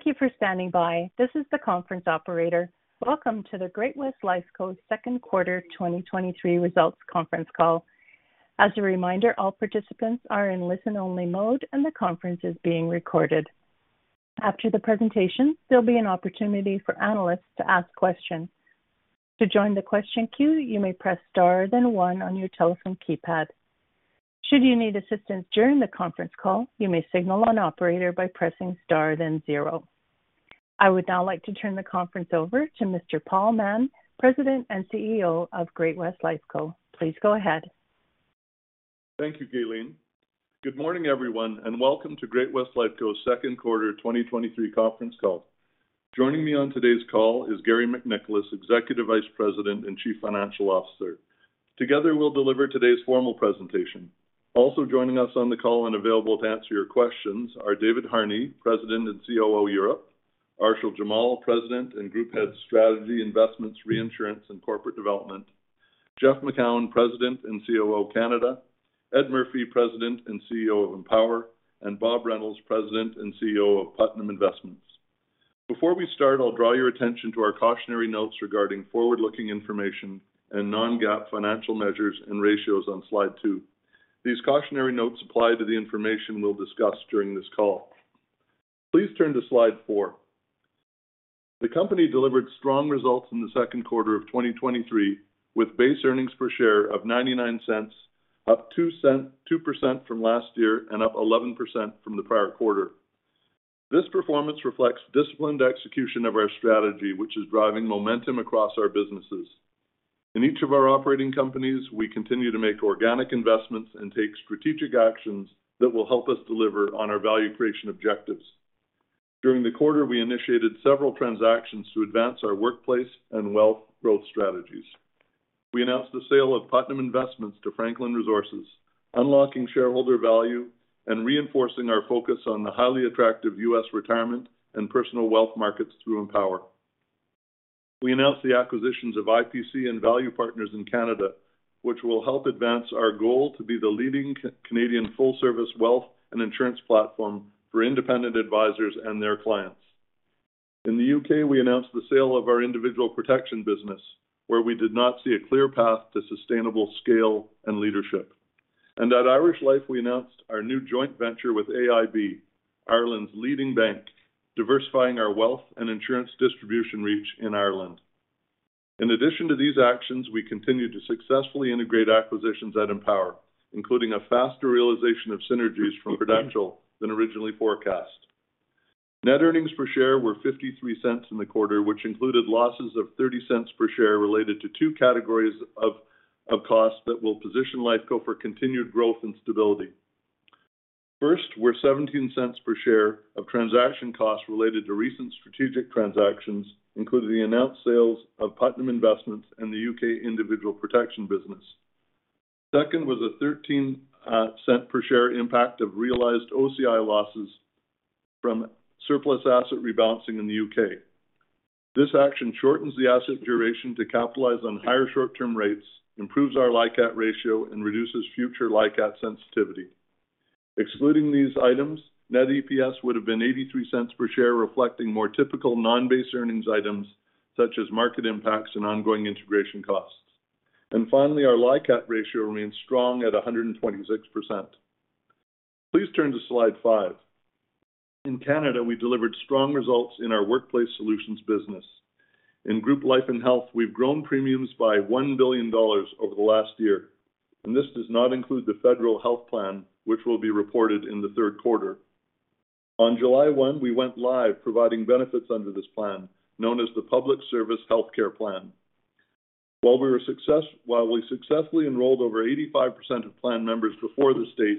Thank you for standing by. This is the conference operator. Welcome to the Great-West Lifeco second quarter 2023 results conference call. As a reminder, all participants are in listen-only mode, and the conference is being recorded. After the presentation, there'll be an opportunity for analysts to ask questions. To join the question queue, you may press Star, then 1 on your telephone keypad. Should you need assistance during the conference call, you may signal an operator by pressing Star, then zero. I would now like to turn the conference over to Mr. Paul Mahon, President and CEO of Great-West Lifeco. Please go ahead. Thank you, Gaylene. Good morning, everyone, and welcome to Great-West Lifeco second quarter 2023 conference call. Joining me on today's call is Garry MacNicholas, Executive Vice President and Chief Financial Officer. Together, we'll deliver today's formal presentation. Also joining us on the call and available to answer your questions are David Harney, President and COO, Europe; Arshil Jamal, President and Group Head, Strategy, Investments, Reinsurance, and Corporate Development; Jeff Macoun, President and COO, Canada; Ed Murphy, President and CEO of Empower; and Bob Reynolds, President and CEO of Putnam Investments. Before we start, I'll draw your attention to our cautionary notes regarding forward-looking information and non-GAAP financial measures and ratios on slide 2. These cautionary notes apply to the information we'll discuss during this call. Please turn to slide 4. The company delivered strong results in the second quarter of 2023, with base earnings per share of $0.99, up 2% from last year and up 11% from the prior quarter. This performance reflects disciplined execution of our strategy, which is driving momentum across our businesses. In each of our operating companies, we continue to make organic investments and take strategic actions that will help us deliver on our value creation objectives. During the quarter, we initiated several transactions to advance our workplace and wealth growth strategies. We announced the sale of Putnam Investments to Franklin Resources, unlocking shareholder value and reinforcing our focus on the highly attractive U.S. retirement and personal wealth markets through Empower. We announced the acquisitions of IPC and Value Partners in Canada, which will help advance our goal to be the leading Canadian full-service wealth and insurance platform for independent advisors and their clients. In the U.K., we announced the sale of our individual protection business, where we did not see a clear path to sustainable scale and leadership. At Irish Life, we announced our new joint venture with AIB, Ireland's leading bank, diversifying our wealth and insurance distribution reach in Ireland. In addition to these actions, we continued to successfully integrate acquisitions at Empower, including a faster realization of synergies from Prudential than originally forecast. Net earnings per share were 0.53 in the quarter, which included losses of 0.30 per share related to two categories of costs that will position Lifeco for continued growth and stability. First, were 0.17 per share of transaction costs related to recent strategic transactions, including the announced sales of Putnam Investments and the UK Individual Protection business. Second, was a 0.13 per share impact of realized OCI losses from surplus asset rebalancing in the U.K. This action shortens the asset duration to capitalize on higher short-term rates, improves our LICAT ratio, and reduces future LICAT sensitivity. Excluding these items, net EPS would have been 0.83 per share, reflecting more typical non-base earnings items such as market impacts and ongoing integration costs. Finally, our LICAT ratio remains strong at 126%. Please turn to slide five. In Canada, we delivered strong results in our workplace solutions business. In group life and health, we've grown premiums by 1 billion dollars over the last year, and this does not include the federal health plan, which will be reported in the third quarter. On July 1, we went live providing benefits under this plan, known as the Public Service Health Care Plan. While we successfully enrolled over 85% of plan members before the state,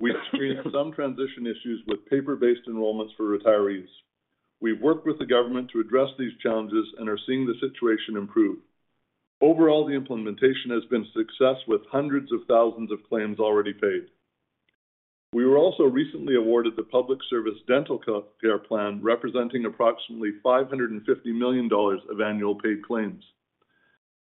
we experienced some transition issues with paper-based enrollments for retirees. We've worked with the government to address these challenges and are seeing the situation improve. Overall, the implementation has been a success, with hundreds of thousands of claims already paid. We were also recently awarded the Public Service Dental Care Plan, representing approximately 550 million dollars of annual paid claims.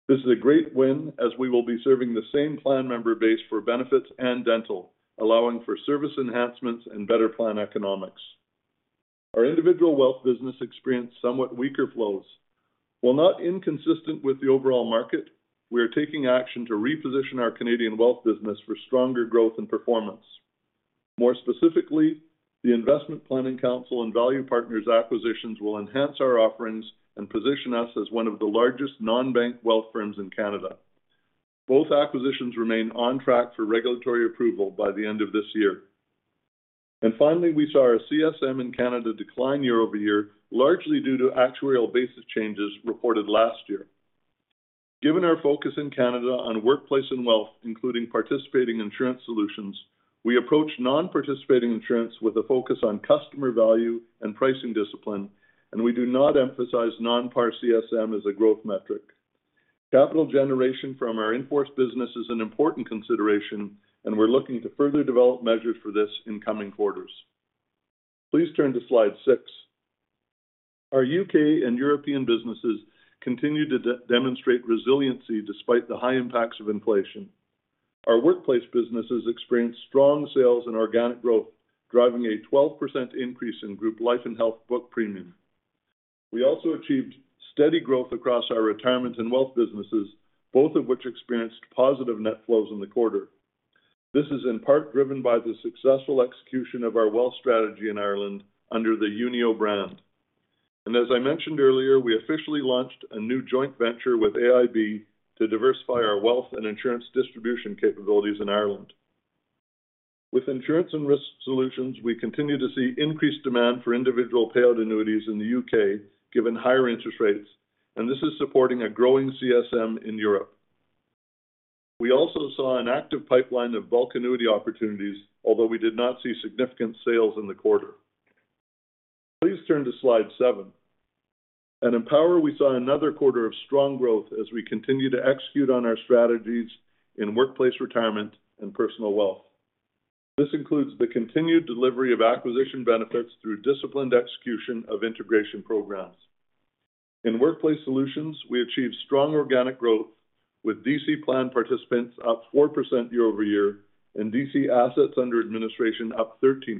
This is a great win, as we will be serving the same plan member base for benefits and dental, allowing for service enhancements and better plan economics. Our individual wealth business experienced somewhat weaker flows. While not inconsistent with the overall market, we are taking action to reposition our Canadian wealth business for stronger growth and performance. More specifically, the Investment Planning Counsel and Value Partners acquisitions will enhance our offerings and position us as one of the largest non-bank wealth firms in Canada. Both acquisitions remain on track for regulatory approval by the end of this year. Finally, we saw our CSM in Canada decline year-over-year, largely due to actuarial basis changes reported last year. Given our focus in Canada on workplace and wealth, including participating insurance solutions, we approach non-participating insurance with a focus on customer value and pricing discipline, and we do not emphasize non-par CSM as a growth metric. Capital generation from our in-force business is an important consideration, and we're looking to further develop measures for this in coming quarters. Please turn to slide 6. Our UK and European businesses continue to demonstrate resiliency despite the high impacts of inflation. Our workplace businesses experienced strong sales and organic growth, driving a 12% increase in Group Life and Health book premium. We also achieved steady growth across our retirement and wealth businesses, both of which experienced positive net flows in the quarter. This is in part driven by the successful execution of our wealth strategy in Ireland under the Unio brand. As I mentioned earlier, we officially launched a new joint venture with AIB to diversify our wealth and insurance distribution capabilities in Ireland. With insurance and risk solutions, we continue to see increased demand for individual payout annuities in the U.K., given higher interest rates, and this is supporting a growing CSM in Europe. We also saw an active pipeline of bulk annuity opportunities, although we did not see significant sales in the quarter. Please turn to slide 7. At Empower, we saw another quarter of strong growth as we continue to execute on our strategies in workplace retirement and personal wealth. This includes the continued delivery of acquisition benefits through disciplined execution of integration programs. In workplace solutions, we achieved strong organic growth, with D.C. plan participants up 4% year-over-year and D.C. assets under administration up 13%.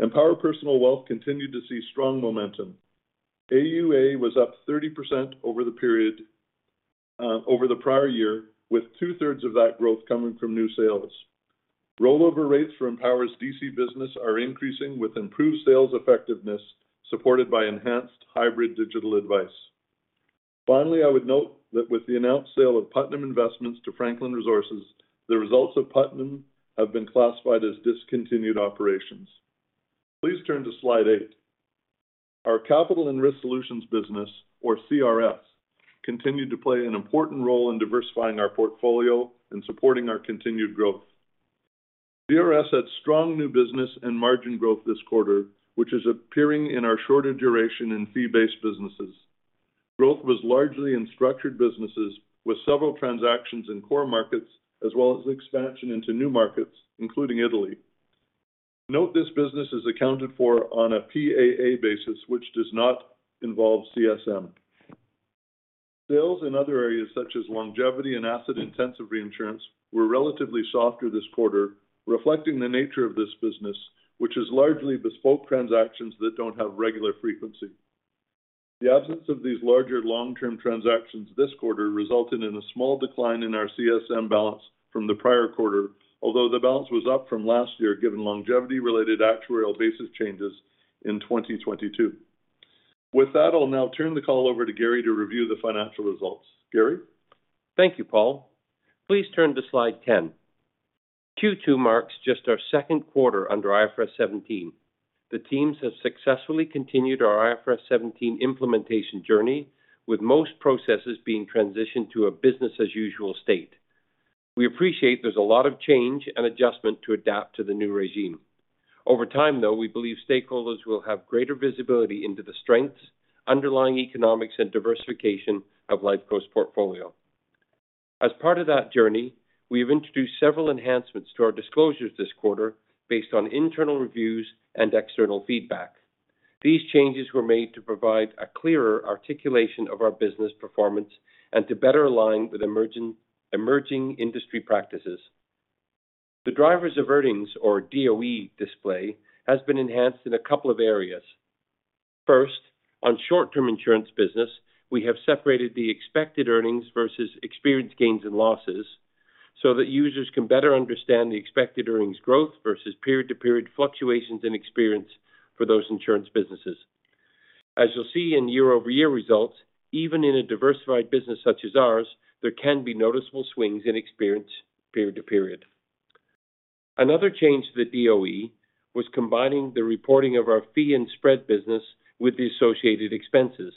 Empower Personal Wealth continued to see strong momentum. AUA was up 30% over the period, over the prior year, with 2/3 of that growth coming from new sales. Rollover rates for Empower's D.C. business are increasing, with improved sales effectiveness, supported by enhanced hybrid digital advice. Finally, I would note that with the announced sale of Putnam Investments to Franklin Resources, the results of Putnam have been classified as discontinued operations. Please turn to slide 8. Our Capital and Risk Solutions business, or CRS, continued to play an important role in diversifying our portfolio and supporting our continued growth. CRS had strong new business and margin growth this quarter, which is appearing in our shorter duration in fee-based businesses. Growth was largely in structured businesses, with several transactions in core markets, as well as expansion into new markets, including Italy. Note, this business is accounted for on a PAA basis, which does not involve CSM. Sales in other areas, such as longevity and asset-intensive reinsurance, were relatively softer this quarter, reflecting the nature of this business, which is largely bespoke transactions that don't have regular frequency. The absence of these larger long-term transactions this quarter resulted in a small decline in our CSM balance from the prior quarter, although the balance was up from last year, given longevity-related actuarial basis changes in 2022. With that, I'll now turn the call over to Gary to review the financial results. Gary? Thank you, Paul. Please turn to slide 10. Q2 marks just our second quarter under IFRS 17. The teams have successfully continued our IFRS 17 implementation journey, with most processes being transitioned to a business-as-usual state. We appreciate there's a lot of change and adjustment to adapt to the new regime. Over time, though, we believe stakeholders will have greater visibility into the strengths, underlying economics, and diversification of Lifeco portfolio. As part of that journey, we have introduced several enhancements to our disclosures this quarter based on internal reviews and external feedback. These changes were made to provide a clearer articulation of our business performance and to better align with emerging industry practices. The drivers of earnings, or DOE display, has been enhanced in a couple of areas. First, on short-term insurance business, we have separated the expected earnings versus experienced gains and losses so that users can better understand the expected earnings growth versus period-to-period fluctuations in experience for those insurance businesses. As you'll see in year-over-year results, even in a diversified business such as ours, there can be noticeable swings in experience period to period. Another change to the DOE was combining the reporting of our fee and spread business with the associated expenses.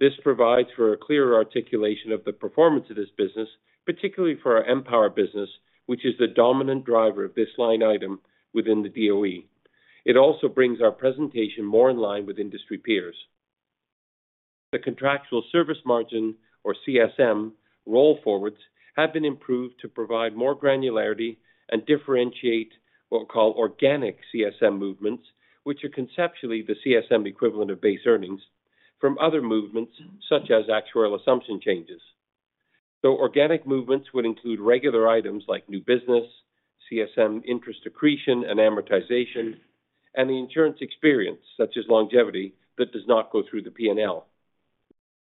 This provides for a clearer articulation of the performance of this business, particularly for our Empower business, which is the dominant driver of this line item within the DOE. It also brings our presentation more in line with industry peers. The contractual service margin, or CSM, roll forwards have been improved to provide more granularity and differentiate what we call organic CSM movements, which are conceptually the CSM equivalent of base earnings from other movements, such as actuarial assumption changes. Organic movements would include regular items like new business, CSM interest accretion and amortization, and the insurance experience, such as longevity, that does not go through the PNL.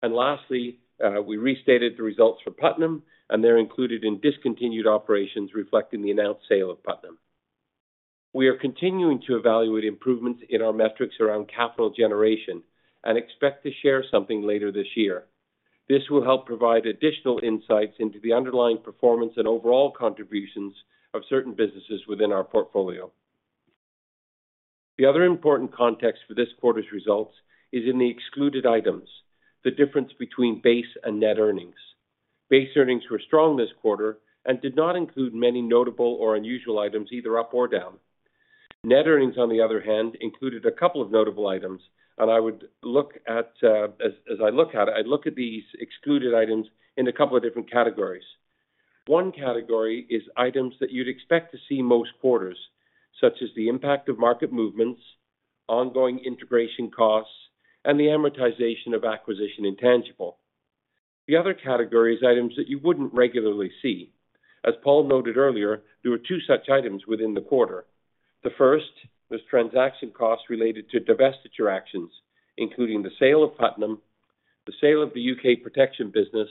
Lastly, we restated the results for Putnam, and they're included in discontinued operations, reflecting the announced sale of Putnam. We are continuing to evaluate improvements in our metrics around capital generation and expect to share something later this year. This will help provide additional insights into the underlying performance and overall contributions of certain businesses within our portfolio. The other important context for this quarter's results is in the excluded items, the difference between base and net earnings. Base earnings were strong this quarter and did not include many notable or unusual items, either up or down. Net earnings, on the other hand, included a couple of notable items, and I would look at as, as I look at it, I'd look at these excluded items in a couple of different categories. One category is items that you'd expect to see most quarters, such as the impact of market movements, ongoing integration costs, and the amortization of acquisition intangible. The other category is items that you wouldn't regularly see. As Paul noted earlier, there were two such items within the quarter. The first was transaction costs related to divestiture actions, including the sale of Putnam, the sale of the UK protection business,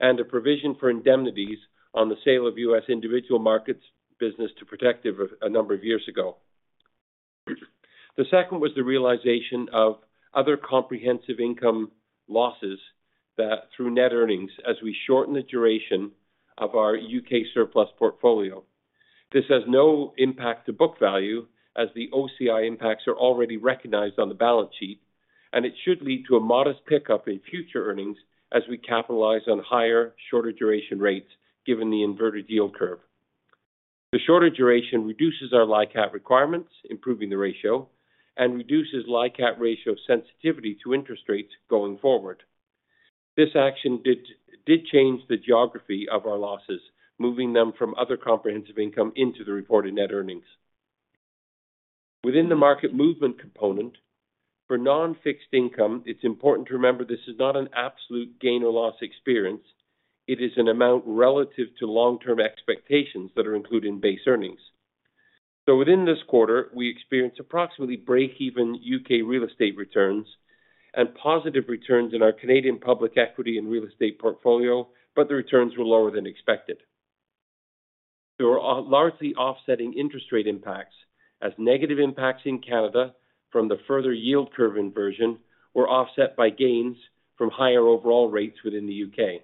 and a provision for indemnities on the sale of U.S. individual markets business to Protective a number of years ago. The second was the realization of other comprehensive income losses that through net earnings as we shorten the duration of our UK surplus portfolio. This has no impact to book value as the OCI impacts are already recognized on the balance sheet, and it should lead to a modest pickup in future earnings as we capitalize on higher, shorter duration rates given the inverted yield curve. The shorter duration reduces our LICAT requirements, improving the ratio, and reduces LICAT ratio sensitivity to interest rates going forward. This action did, did change the geography of our losses, moving them from other comprehensive income into the reported net earnings. Within the market movement component, for non-fixed income, it's important to remember this is not an absolute gain or loss experience. It is an amount relative to long-term expectations that are included in base earnings. Within this quarter, we experienced approximately break-even UK real estate returns and positive returns in our Canadian public equity and real estate portfolio, but the returns were lower than expected. There were largely offsetting interest rate impacts, as negative impacts in Canada from the further yield curve inversion were offset by gains from higher overall rates within the U.K.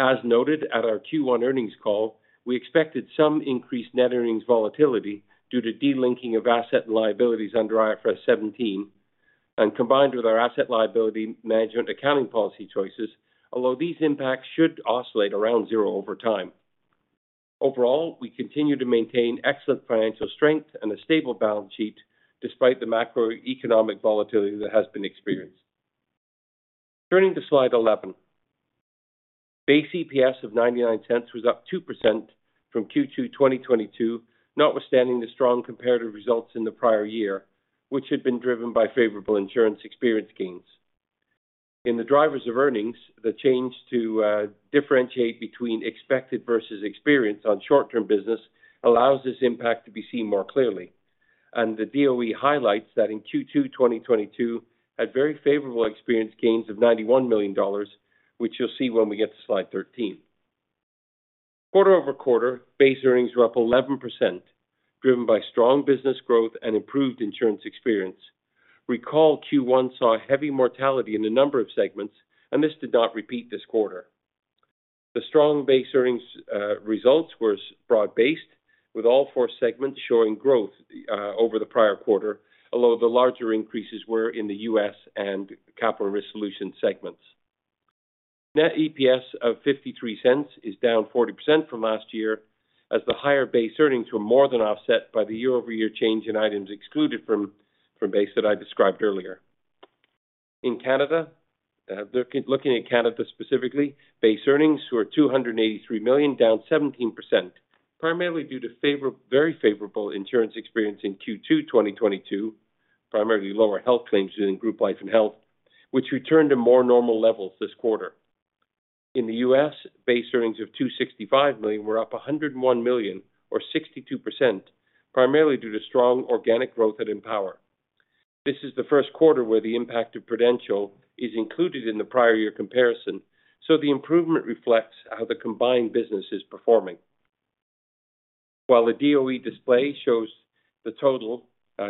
As noted at our Q1 earnings call, we expected some increased net earnings volatility due to de-linking of asset and liabilities under IFRS 17, and combined with our asset liability management accounting policy choices, although these impacts should oscillate around zero over time. Overall, we continue to maintain excellent financial strength and a stable balance sheet despite the macroeconomic volatility that has been experienced. Turning to slide 11. Base EPS of 0.99 was up 2% from Q2 2022, notwithstanding the strong comparative results in the prior year, which had been driven by favorable insurance experience gains. In the drivers of earnings, the change to differentiate between expected versus experienced on short-term business allows this impact to be seen more clearly. The DOE highlights that in Q2 2022, had very favorable experience gains of 91 million dollars, which you'll see when we get to slide 13. Quarter-over-quarter, base earnings were up 11%, driven by strong business growth and improved insurance experience. Recall, Q1 saw heavy mortality in a number of segments. This did not repeat this quarter. The strong base earnings results was broad-based, with all 4 segments showing growth over the prior quarter, although the larger increases were in the U.S. and Capital and Risk Solutions segments. Net EPS of 0.53 is down 40% from last year, as the higher base earnings were more than offset by the year-over-year change in items excluded from base that I described earlier. In Canada, looking at Canada specifically, base earnings were 283 million, down 17%, primarily due to very favorable insurance experience in Q2 2022, primarily lower health claims in Group Life and Health, which returned to more normal levels this quarter. In the U.S., base earnings of 265 million were up 101 million, or 62%, primarily due to strong organic growth at Empower. This is the first quarter where the impact of Prudential is included in the prior year comparison, so the improvement reflects how the combined business is performing. While the DOE display shows the total,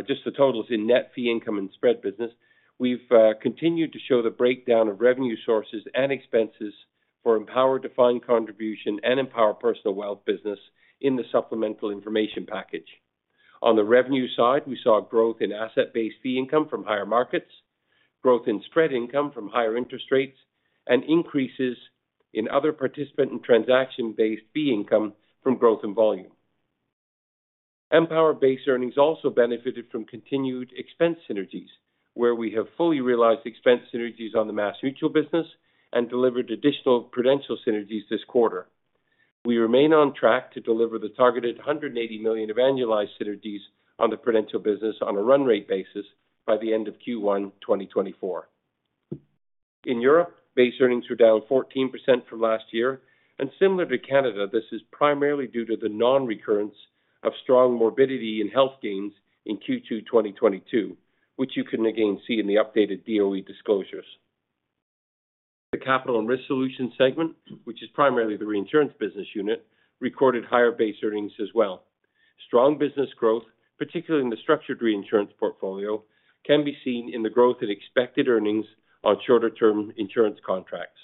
just the totals in net fee income and spread business, we've continued to show the breakdown of revenue sources and expenses for Empower defined contribution and Empower Personal Wealth business in the supplemental information package. On the revenue side, we saw a growth in asset-based fee income from higher markets, growth in spread income from higher interest rates, and increases in other participant and transaction-based fee income from growth and volume. Empower base earnings also benefited from continued expense synergies, where we have fully realized expense synergies on the MassMutual business and delivered additional Prudential synergies this quarter. We remain on track to deliver the targeted $180 million of annualized synergies on the Prudential business on a run rate basis by the end of Q1 2024. In Europe, base earnings were down 14% from last year, and similar to Canada, this is primarily due to the non-recurrence of strong morbidity and health gains in Q2 2022, which you can again see in the updated DOE disclosures. The Capital and Risk Solutions segment, which is primarily the reinsurance business unit, recorded higher base earnings as well. Strong business growth, particularly in the structured reinsurance portfolio, can be seen in the growth in expected earnings on shorter-term insurance contracts.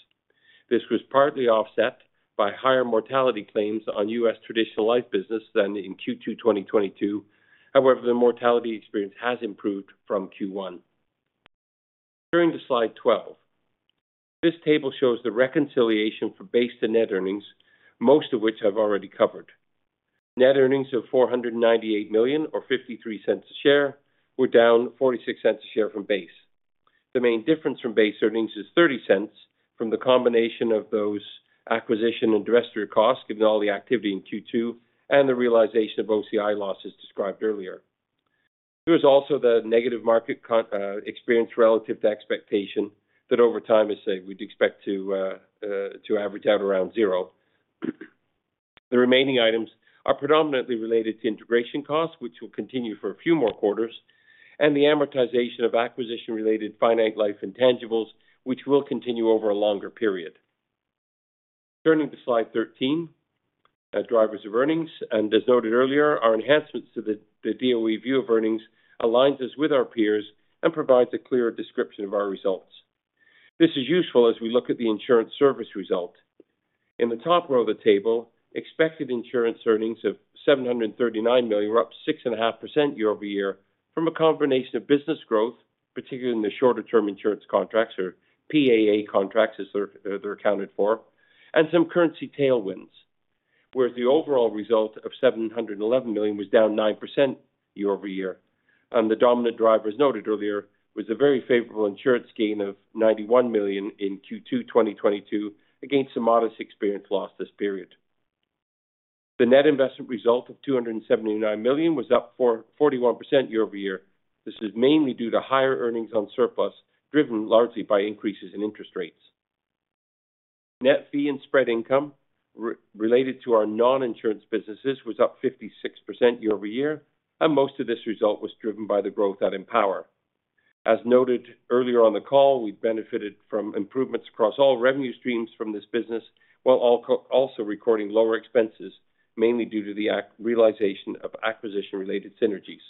This was partly offset by higher mortality claims on U.S. traditional life business than in Q2 2022. However, the mortality experience has improved from Q1. Turning to slide 12. This table shows the reconciliation for base to net earnings, most of which I've already covered. Net earnings of $498 million or $0.53 a share, were down $0.46 a share from base. The main difference from base earnings is 0.30 from the combination of those acquisition and divestiture costs, given all the activity in Q2 and the realization of OCI losses described earlier. There is also the negative market experience relative to expectation, that over time, as I said, we'd expect to average out around 0. The remaining items are predominantly related to integration costs, which will continue for a few more quarters, and the amortization of acquisition-related finite life intangibles, which will continue over a longer period. Turning to Slide 13, at drivers of earnings, as noted earlier, our enhancements to the DOE view of earnings aligns us with our peers and provides a clearer description of our results. This is useful as we look at the insurance service result. In the top row of the table, expected insurance earnings of 739 million were up 6.5% year-over-year from a combination of business growth, particularly in the shorter-term insurance contracts or PAA contracts, as they're accounted for, and some currency tailwinds, whereas the overall result of 711 million was down 9% year-over-year. The dominant driver, as noted earlier, was a very favorable insurance gain of 91 million in Q2 2022, against some modest experience loss this period. The net investment result of 279 million was up for 41% year-over-year. This is mainly due to higher earnings on surplus, driven largely by increases in interest rates. Net fee and spread income related to our non-insurance businesses was up 56% year-over-year. Most of this result was driven by the growth at Empower. As noted earlier on the call, we benefited from improvements across all revenue streams from this business, while also recording lower expenses, mainly due to the realization of acquisition-related synergies.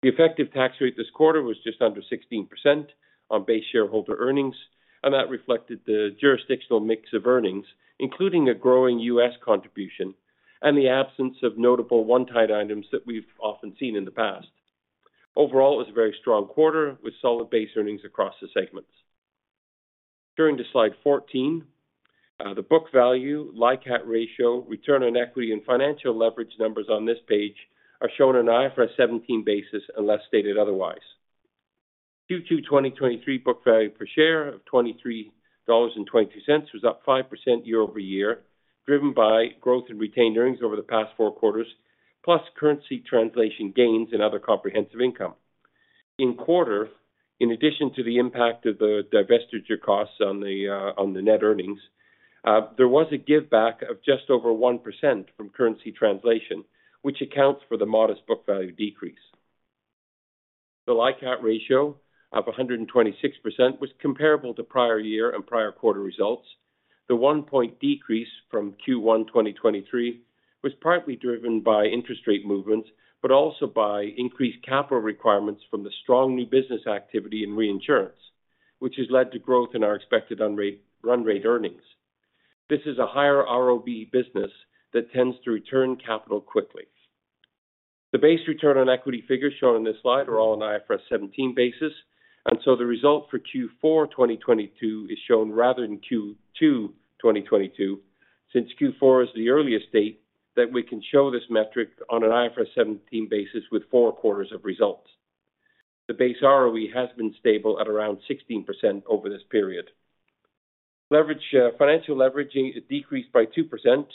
The effective tax rate this quarter was just under 16% on base shareholder earnings. That reflected the jurisdictional mix of earnings, including a growing U.S. contribution and the absence of notable one-time items that we've often seen in the past. Overall, it was a very strong quarter, with solid base earnings across the segments. Turning to Slide 14, the book value, LICAT ratio, return on equity and financial leverage numbers on this page are shown on IFRS 17 basis, unless stated otherwise. Q2 2023 book value per share of $23.22 was up 5% year-over-year, driven by growth in retained earnings over the past 4 quarters, plus currency translation gains and other comprehensive income. In quarter, in addition to the impact of the divestiture costs on the net earnings, there was a giveback of just over 1% from currency translation, which accounts for the modest book value decrease. The LICAT ratio of 126% was comparable to prior year and prior quarter results. The 1 point decrease from Q1 2023 was partly driven by interest rate movements, but also by increased capital requirements from the strong new business activity in reinsurance, which has led to growth in our expected run rate earnings. This is a higher ROE business that tends to return capital quickly. The base return on equity figures shown on this slide are all on IFRS 17 basis, so the result for Q4 2022 is shown rather than Q2 2022, since Q4 is the earliest date that we can show this metric on an IFRS 17 basis with four quarters of results. The base ROE has been stable at around 16% over this period. Leverage, financial leverage decreased by 2%,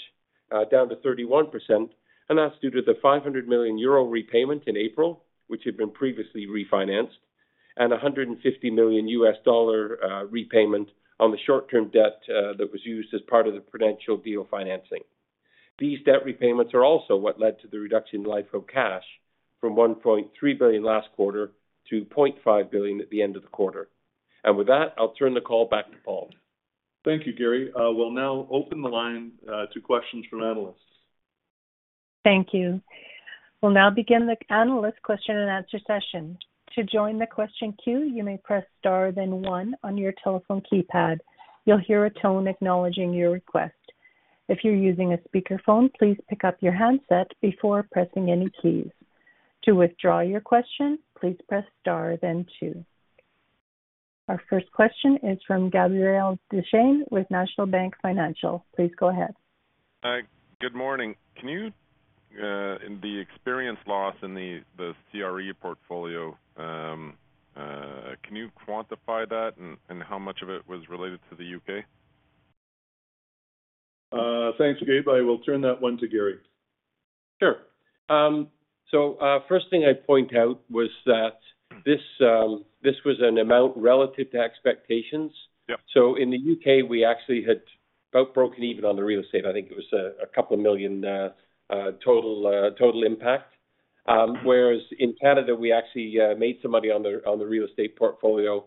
down to 31%, that's due to the 500 million euro repayment in April, which had been previously refinanced, $150 million repayment on the short-term debt, that was used as part of the Prudential deal financing. These debt repayments are also what led to the reduction in life of cash from 1.3 billion last quarter to 0.5 billion at the end of the quarter. With that, I'll turn the call back to Paul. Thank you, Gary. We'll now open the line to questions from analysts. Thank you. We'll now begin the analyst question and answer session. To join the question queue, you may press Star, then one on your telephone keypad. You'll hear a tone acknowledging your request. If you're using a speakerphone, please pick up your handset before pressing any keys. To withdraw your question, please press Star, then two. Our first question is from Gabriel Deschênes with National Bank Financial. Please go ahead. Hi, good morning. Can you in the experience loss in the CRE portfolio, can you quantify that and, and how much of it was related to the U.K? Thanks, Gabe. I will turn that one to Gary. Sure. First thing I'd point out was that this, this was an amount relative to expectations. Yeah. In the U.K., we actually had about broken even on the real estate. I think it was a 2 million total total impact. Whereas in Canada, we actually made some money on the real estate portfolio,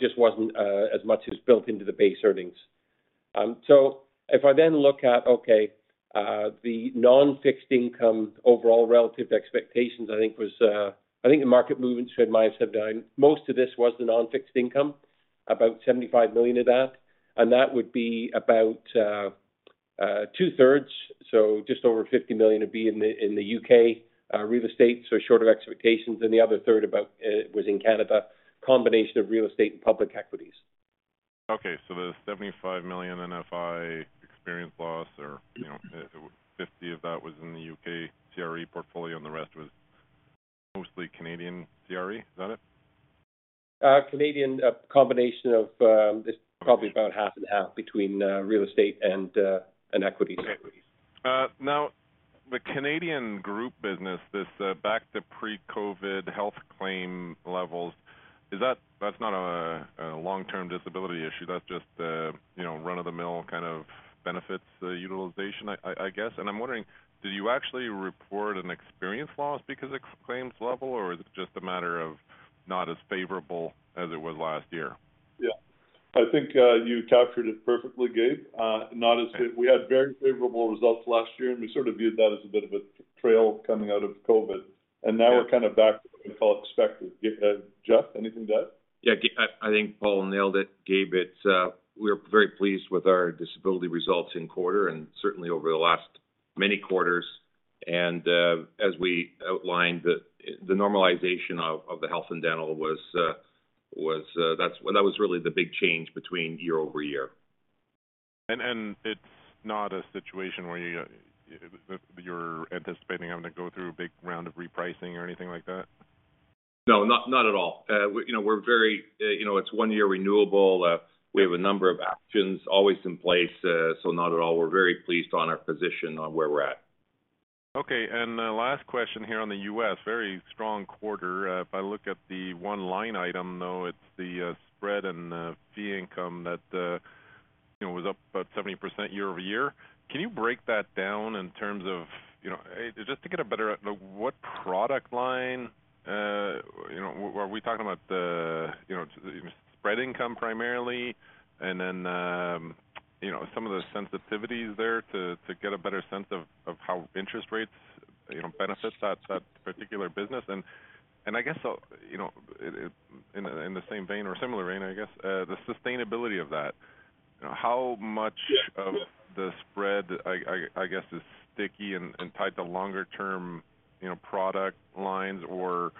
just wasn't as much as built into the base earnings. If I then look at, okay, the non-fixed income overall, relative to expectations, I think was, I think the market movements should, might have done... Most of this was the non-fixed income, about 75 million of that, and that would be about two-thirds, so just over 50 million would be in the U.K. real estate, so short of expectations, and the other third about was in Canada, combination of real estate and public equities. Okay, so the 75 million NFI experience loss or, you know, 50 of that was in the UK CRE portfolio, and the rest was mostly Canadian CRE, is that it? Canadian, a combination of, it's probably about half and half between, real estate and, and equity securities. Okay. Now, the Canadian Group business, this, back to pre-COVID health claim levels, is that, that's not a long-term disability issue. That's just a, you know, run-of-the-mill kind of benefits utilization, I, I, I guess. I'm wondering, did you actually report an experience loss because of claims level, or is it just a matter of not as favorable as it was last year? Yeah. I think, you captured it perfectly, Gabe. not as- Okay. We had very favorable results last year, and we sort of viewed that as a bit of a trail coming out of COVID. Yeah. Now we're kind of back to what we call expected. Jeff, anything to add? Yeah, I, I think Paul nailed it, Gabe. It's, we're very pleased with our disability results in quarter and certainly over the last many quarters. As we outlined, the, the normalization of, of the health and dental was, was, that was really the big change between year-over-year. And it's not a situation where you, you're anticipating having to go through a big round of repricing or anything like that? No, not, not at all. We, you know, we're very, you know, it's one-year renewable. We have a number of actions always in place, so not at all. We're very pleased on our position on where we're at. Okay, last question here on the U.S., very strong quarter. If I look at the one line item, though, it's the spread and fee income that, you know, was up about 70% year-over-year. Can you break that down in terms of, you know, just to get a better... what product line, you know, were we talking about the, you know, spread income primarily, and then, you know, some of the sensitivities there, to, to get a better sense of, of how interest rates, you know, benefits that, that particular business? I guess, you know, in, in the same vein or similar vein, I guess, the sustainability of that. You know, how much... Yeah... of the spread, I guess, is sticky and tied to longer-term, you know, product lines, or,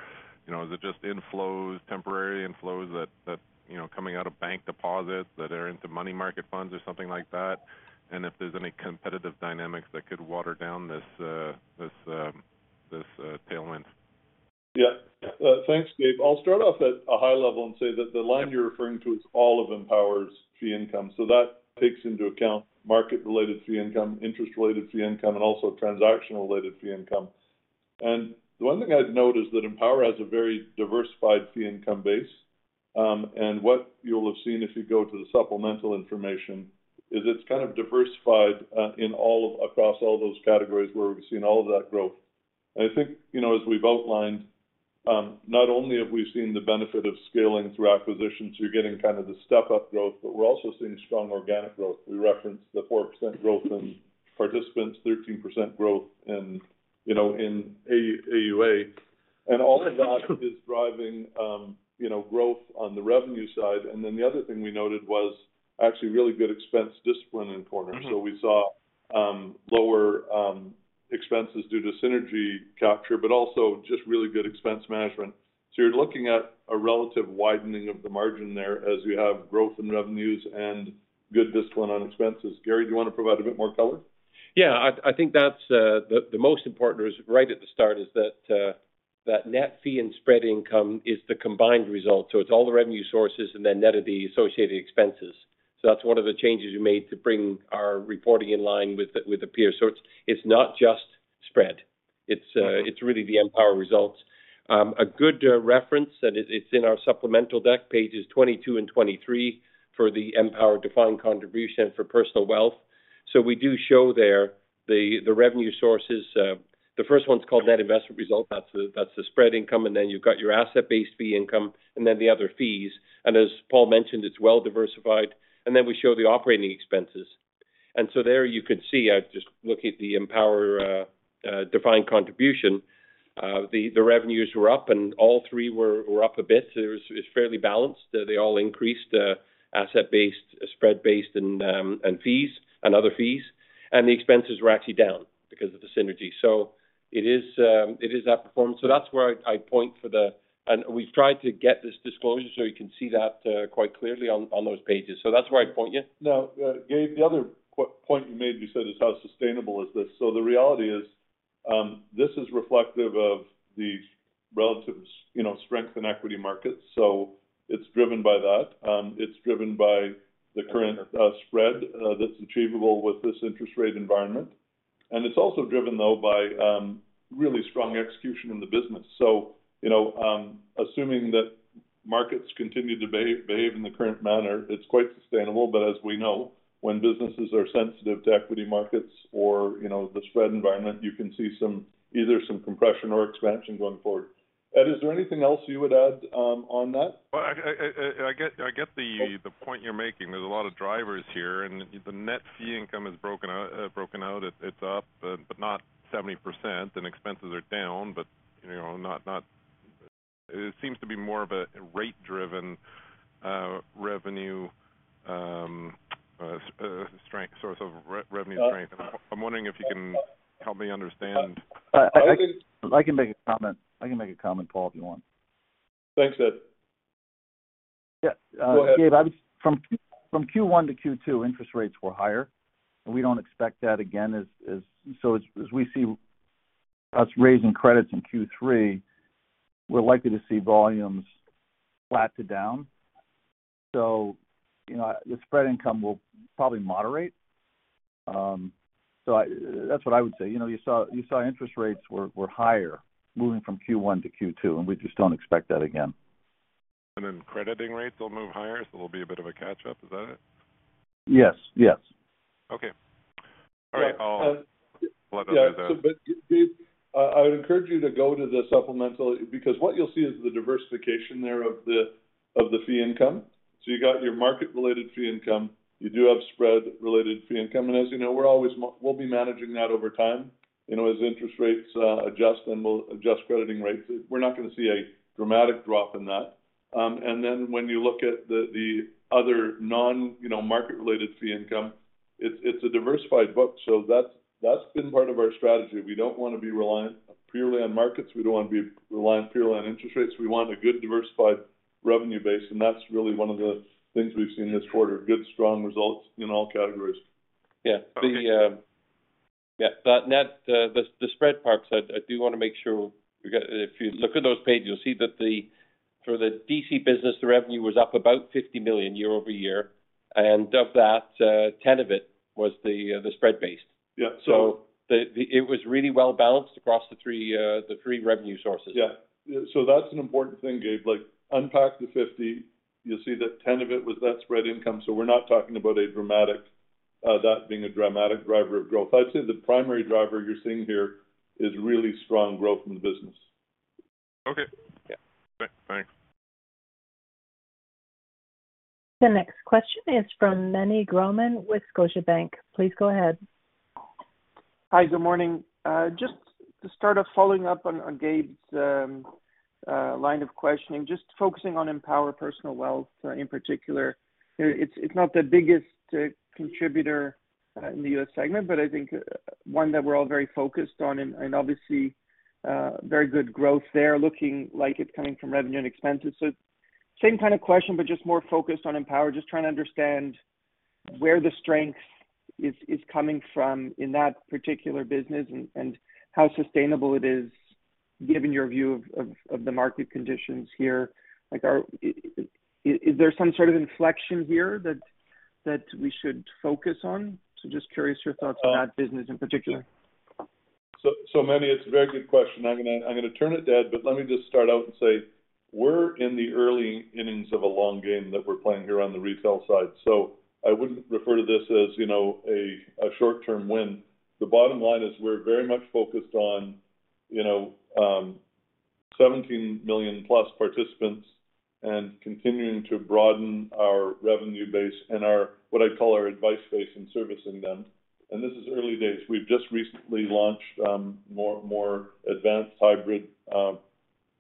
you know, is it just inflows, temporary inflows that, that, you know, coming out of bank deposits that are into money market funds or something like that? If there's any competitive dynamics that could water down this tailwind. Yeah. Thanks, Gabe. I'll start off at a high level and say that the line you're referring to is all of Empower's fee income. That takes into account market-related fee income, interest-related fee income, and also transactional-related fee income. The one thing I'd note is that Empower has a very diversified fee income base. What you'll have seen if you go to the supplemental information, is it's kind of diversified across all those categories where we've seen all of that growth. I think, you know, as we've outlined, not only have we seen the benefit of scaling through acquisitions, you're getting kind of the step-up growth, but we're also seeing strong organic growth. We referenced the 4% growth in participants, 13% growth in, you know, AUA. All of that is driving, you know, growth on the revenue side. Then the other thing we noted was actually really good expense discipline in quarter. Mm-hmm. We saw lower expenses due to synergy capture, but also just really good expense management. You're looking at a relative widening of the margin there as we have growth in revenues and good discipline on expenses. Gary, do you want to provide a bit more color? Yeah, I, I think that's the, the most important is right at the start, is that net fee and spread income is the combined result. It's all the revenue sources and then net of the associated expenses. That's one of the changes we made to bring our reporting in line with the, with the peers. It's, it's not just spread. It's, it's really the Empower results. A good reference, and it, it's in our supplemental deck, pages 22 and 23, for the Empower defined contribution for personal wealth. We do show there the, the revenue sources. The first one's called net investment result. That's the, that's the spread income, and then you've got your asset-based fee income and then the other fees. As Paul mentioned, it's well diversified. Then we show the operating expenses. There you can see, I'd just look at the Empower defined contribution. The revenues were up, and all three were up a bit. It was, it's fairly balanced. They all increased asset-based, spread-based, and fees and other fees, and the expenses were actually down because of the synergy. It is, it is outperformed. That's where I, I point for the... We've tried to get this disclosure so you can see that quite clearly on those pages. That's where I'd point you. Now, Gabe, the other point you made, you said, is how sustainable is this? The reality is, this is reflective of the relative, you know, strength in equity markets, so it's driven by that. It's driven by the current spread that's achievable with this interest rate environment. It's also driven, though, by really strong execution in the business. You know, assuming that markets continue to behave in the current manner, it's quite sustainable. As we know, when businesses are sensitive to equity markets or, you know, the spread environment, you can see either some compression or expansion going forward. Ed, is there anything else you would add on that? Well, I get the point you're making. There's a lot of drivers here, and the net fee income is broken out, broken out. It's up, but not 70%, and expenses are down, but, you know, not, not. It seems to be more of a rate-driven revenue strength, source of revenue strength. I'm wondering if you can help me understand? I I can make a comment. I can make a comment, Paul, if you want. Thanks, Ed. Yeah. Go ahead. Gabe, from Q1 to Q2, interest rates were higher, and we don't expect that again as we see us raising credits in Q3, we're likely to see volumes flat to down. You know, the spread income will probably moderate. That's what I would say. You know, you saw interest rates were higher moving from Q1 to Q2, and we just don't expect that again. Then crediting rates will move higher, so there'll be a bit of a catch up. Is that it? Yes, yes. Okay. All right, I'll- Yeah. Let others know. I would encourage you to go to the supplemental, because what you'll see is the diversification there of the, of the fee income. You got your market-related fee income, you do have spread-related fee income, and as you know, we're always we'll be managing that over time. You know, as interest rates adjust, then we'll adjust crediting rates. We're not going to see a dramatic drop in that. Then when you look at the, the other non, you know, market-related fee income, it's, it's a diversified book. That's, that's been part of our strategy. We don't want to be reliant purely on markets. We don't want to be reliant purely on interest rates. We want a good diversified revenue base, and that's really one of the things we've seen this quarter. Good, strong results in all categories. Yeah. Yeah, but net, the spread parts, I do want to make sure we get. If you look at those pages, you'll see that for the DC business, the revenue was up about 50 million year-over-year, and of that, 10 of it was the spread-based. Yeah. It was really well balanced across the 3, the 3 revenue sources. Yeah. That's an important thing, Gabe. Like, unpack the 50, you'll see that 10 of it was net spread income, so we're not talking about a dramatic, that being a dramatic driver of growth. I'd say the primary driver you're seeing here is really strong growth in the business. Okay. Yeah. Thanks. The next question is from Manny Groman with Scotiabank. Please go ahead. Hi, good morning. Just to start off, following up on, on Gabe's line of questioning, just focusing on Empower Personal Wealth, in particular. It's, it's not the biggest contributor in the U.S. segment, but I think one that we're all very focused on and, and obviously, very good growth there, looking like it's coming from revenue and expenses. Same kind of question, but just more focused on Empower. Just trying to understand where the strength is, is coming from in that particular business and, and how sustainable it is, given your view of, of, of the market conditions here. Like, is there some sort of inflection here that, that we should focus on? Just curious your thoughts on that business in particular. Manny, it's a very good question. I'm going to turn it to Ed, but let me just start out and say, we're in the early innings of a long game that we're playing here on the retail side. I wouldn't refer to this as, you know, a, a short-term win. The bottom line is we're very much focused on, you know, 17 million plus participants and continuing to broaden our revenue base and our, what I call our advice base and servicing them. This is early days. We've just recently launched, more advanced hybrid,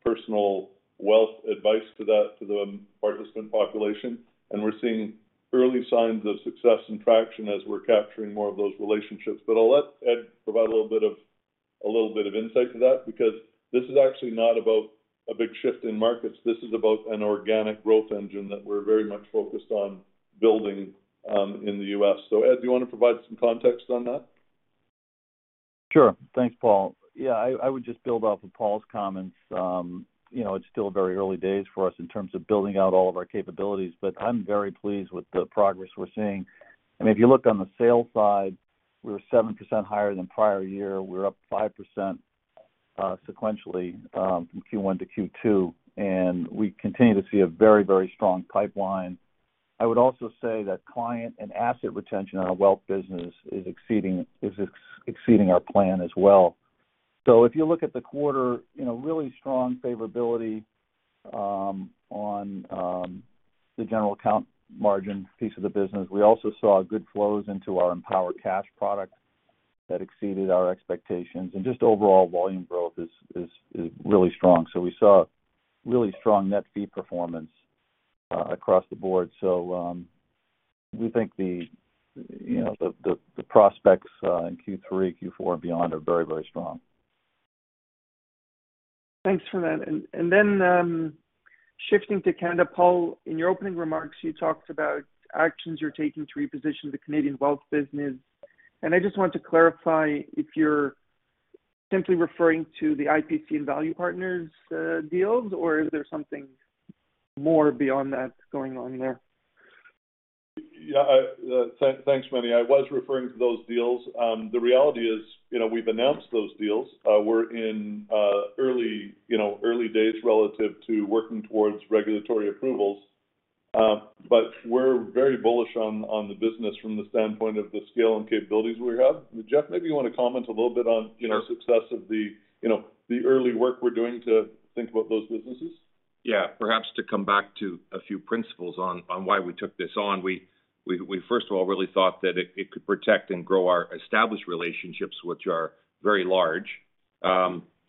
personal wealth advice to that, to the participant population, and we're seeing early signs of success and traction as we're capturing more of those relationships. I'll let Ed provide a little bit of insight to that, because this is actually not about a big shift in markets. This is about an organic growth engine that we're very much focused on building in the U.S. Ed, do you want to provide some context on that? Sure. Thanks, Paul. Yeah, I, I would just build off of Paul's comments. You know, it's still very early days for us in terms of building out all of our capabilities, but I'm very pleased with the progress we're seeing. I mean, if you look on the sales side, we're 7% higher than prior year. We're up 5% sequentially from Q1 to Q2, and we continue to see a very, very strong pipeline. I would also say that client and asset retention on our wealth business is exceeding our plan as well. If you look at the quarter, you know, really strong favorability on the general account margin piece of the business. We also saw good flows into our Empower Cash product that exceeded our expectations, and just overall volume growth is really strong. We saw really strong net fee performance, across the board. We think the, you know, the, the, the prospects, in Q3, Q4 and beyond are very, very strong. Thanks for that. Shifting to Canada, Paul, in your opening remarks, you talked about actions you're taking to reposition the Canadian wealth business. I just wanted to clarify if you're simply referring to the IPC and Value Partners deals, or is there something more beyond that going on there? Yeah, I-- tha-thanks, Manny. I was referring to those deals. The reality is, you know, we've announced those deals. We're in, early, you know, early days relative to working towards regulatory approvals. We're very bullish on, on the business from the standpoint of the scale and capabilities we have. Jeff, maybe you want to comment a little bit on, you know. Sure... success of the, you know, the early work we're doing to think about those businesses? Yeah. Perhaps to come back to a few principles on, on why we took this on. We, we, we, first of all, really thought that it, it could protect and grow our established relationships, which are very large.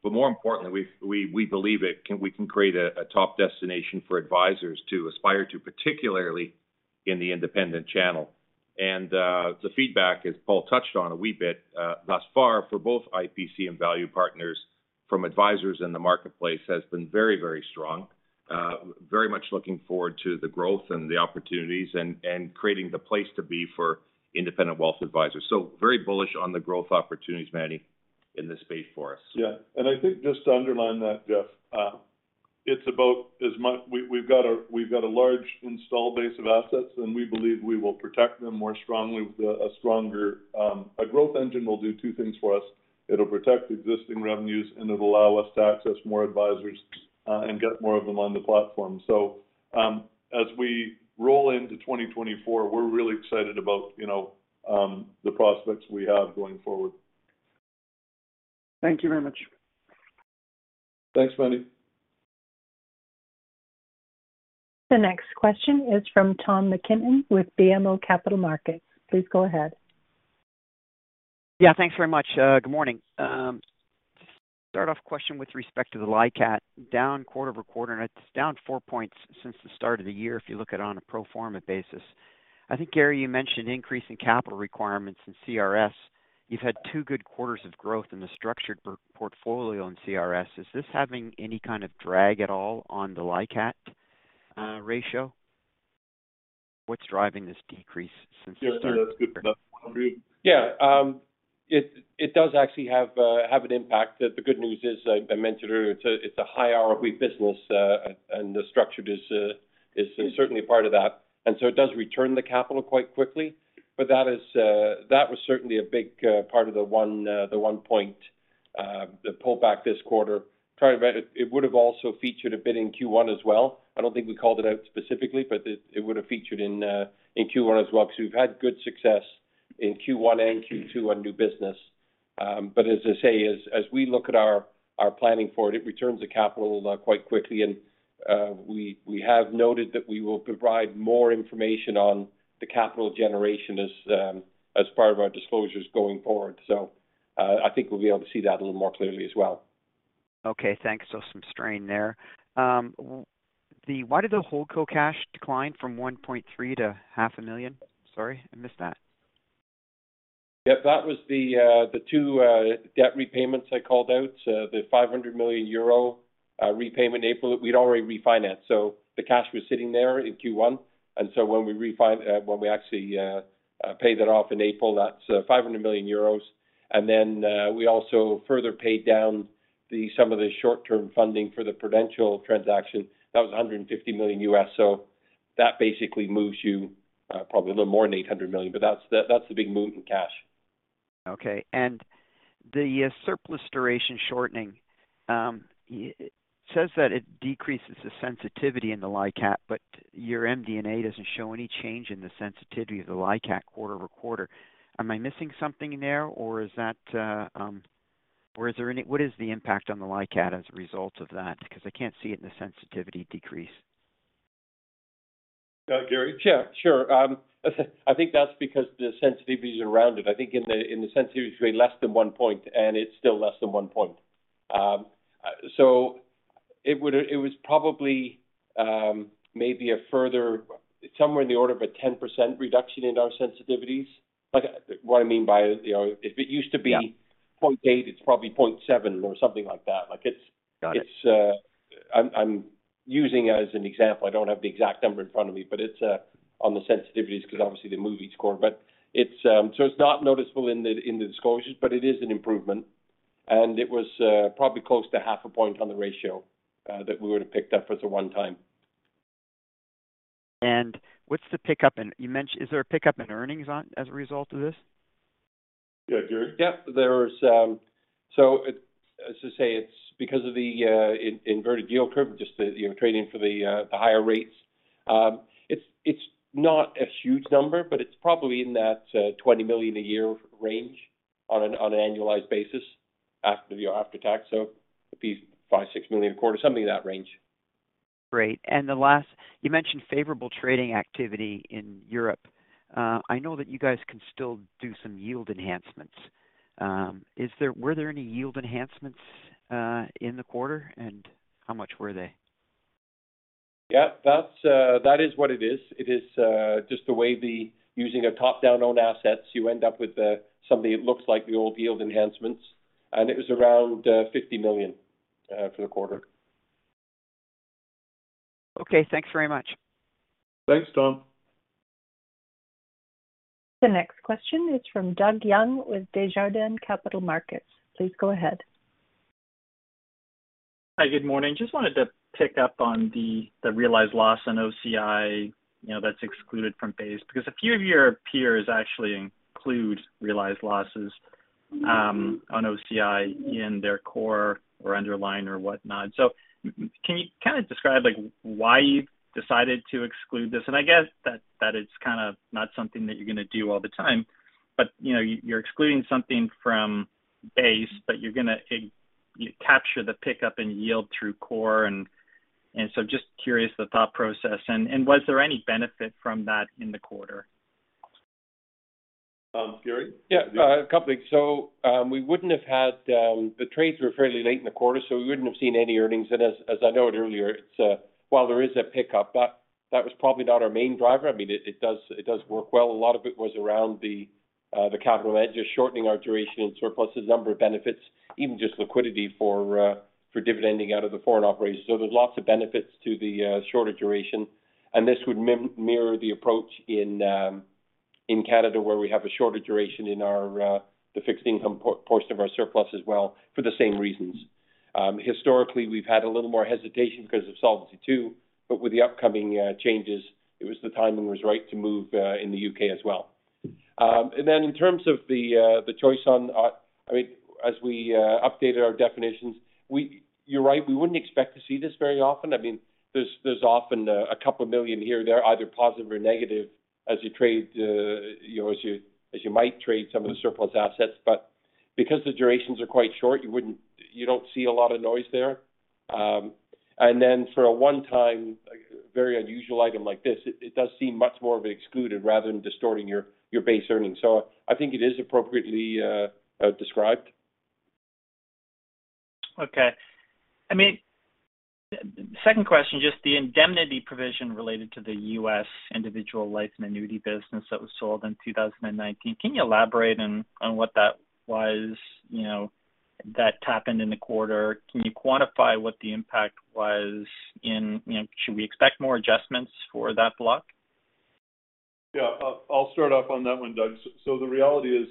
More importantly, we, we, we believe it can we can create a, a top destination for advisors to aspire to, particularly in the independent channel. The feedback, as Paul touched on a wee bit, thus far for both IPC and Value Partners from advisors in the marketplace, has been very, very strong. Very much looking forward to the growth and the opportunities and, and creating the place to be for independent wealth advisors. Very bullish on the growth opportunities, Manny, in this space for us. Yeah. I think just to underline that, Jeff, it's about as much, we, we've got a, we've got a large install base of assets, and we believe we will protect them more strongly with a, a stronger. A growth engine will do two things for us: It'll protect existing revenues, and it'll allow us to access more advisors, and get more of them on the platform. As we roll into 2024, we're really excited about, you know, the prospects we have going forward. Thank you very much. Thanks, Manny. The next question is from Tom McKinnon with BMO Capital Markets. Please go ahead. Yeah, thanks very much. Good morning. Start off question with respect to the LICAT, down quarter-over-quarter, and it's down 4 points since the start of the year if you look at it on a pro forma basis. I think, Gary, you mentioned increasing capital requirements in CRS. You've had 2 good quarters of growth in the structured portfolio in CRS. Is this having any kind of drag at all on the LICAT ratio? What's driving this decrease since the start? Yeah, that's good. Yeah. It, it does actually have an impact. The, the good news is, I, I mentioned earlier, it's a, it's a high ROE business, and the structured is certainly a part of that. So it does return the capital quite quickly. That is, that was certainly a big part of the 1, the 1 point, the pullback this quarter. Part of it, it would have also featured a bit in Q1 as well. I don't think we called it out specifically, but it, it would have featured in Q1 as well, because we've had good success in Q1 and Q2 on new business. As I say, as, as we look at our, our planning forward, it returns the capital quite quickly, and we, we have noted that we will provide more information on the capital generation as part of our disclosures going forward. I think we'll be able to see that a little more clearly as well. Okay, thanks. Some strain there. Why did the holdco cash decline from 1.3 million to CAD 500,000? Sorry, I missed that. Yep, that was the, the two, debt repayments I called out. The 500 million euro repayment in April, we'd already refinanced, so the cash was sitting there in Q1. When we actually, paid that off in April, that's 500 million euros. We also further paid down the, some of the short-term funding for the Prudential transaction. That was $150 million. That basically moves you, probably a little more than $800 million, but that's, that's the big move in cash. Okay. The surplus duration shortening, it says that it decreases the sensitivity in the LICAT, but your MDNA doesn't show any change in the sensitivity of the LICAT quarter-over-quarter. Am I missing something there, or is that, what is the impact on the LICAT as a result of that? Because I can't see it in the sensitivity decrease. Gary. Yeah, sure. I think that's because the sensitivity is around it. I think in the, in the sensitivity, it's less than 1 point, and it's still less than 1 point. It would, it was probably, maybe a further, somewhere in the order of a 10% reduction in our sensitivities. Like, what I mean by, you know, if it used to be- Yeah.... 0.8, it's probably 0.7 or something like that. Like. Got it. It's, I'm, I'm using it as an example. I don't have the exact number in front of me, but it's on the sensitivities, because obviously they move each quarter. It's, so it's not noticeable in the, in the disclosures, but it is an improvement. It was probably close to half a point on the ratio, that we would have picked up as a one time. What's the pickup you mentioned, is there a pickup in earnings as a result of this? Yeah, Gary. Yep, there's... as to say, it's because of the in- inverted yield curve, just to, you know, trading for the higher rates. It's not a huge number, but it's probably in that 20 million a year range on an annualized basis after the, after tax, so it'd be 5 million-6 million a quarter, something in that range. Great. The last, you mentioned favorable trading activity in Europe. I know that you guys can still do some yield enhancements. Were there any yield enhancements, in the quarter, and how much were they? Yeah, that's, that is what it is. It is, just the way the using a top-down own assets, you end up with, something that looks like the old yield enhancements, and it was around, 50 million, for the quarter. Okay, thanks very much. Thanks, Tom. The next question is from Doug Young, with Desjardins Capital Markets. Please go ahead. Hi, good morning. Just wanted to pick up on the, the realized loss on OCI, you know, that's excluded from base, because a few of your peers actually include realized losses, on OCI in their core or underlying or whatnot. Can you kind of describe, like, why you've decided to exclude this? I guess that, that it's kind of not something that you're going to do all the time, but, you know, you're excluding something from base, but you're going to, capture the pickup in yield through core. And so just curious, the thought process. And was there any benefit from that in the quarter? ... Gary? Yeah, a couple things. We wouldn't have had the trades were fairly late in the quarter, so we wouldn't have seen any earnings. As, as I noted earlier, it's, while there is a pickup, but that was probably not our main driver. I mean, it, it does, it does work well. A lot of it was around the capital edge of shortening our duration and surplus a number of benefits, even just liquidity for dividending out of the foreign operations. There's lots of benefits to the shorter duration, and this would mirror the approach in Canada, where we have a shorter duration in our the fixed income portion of our surplus as well, for the same reasons. Historically, we've had a little more hesitation because of Solvency II, but with the upcoming changes, it was the timing was right to move in the UK as well. Then in terms of the choice on, as we updated our definitions, you're right, we wouldn't expect to see this very often. There's, there's often 2 million here and there, either positive or negative, as you trade, you know, as you, as you might trade some of the surplus assets. Because the durations are quite short, you don't see a lot of noise there. Then for a one-time, very unusual item like this, it, it does seem much more of an excluded rather than distorting your, your base earnings. I think it is appropriately described. Okay. I mean, second question, just the indemnity provision related to the U.S. individual life and annuity business that was sold in 2019. Can you elaborate on, on what that was, you know, that happened in the quarter? Can you quantify what the impact was in... You know, should we expect more adjustments for that block? Yeah, I'll, I'll start off on that one, Doug. The reality is,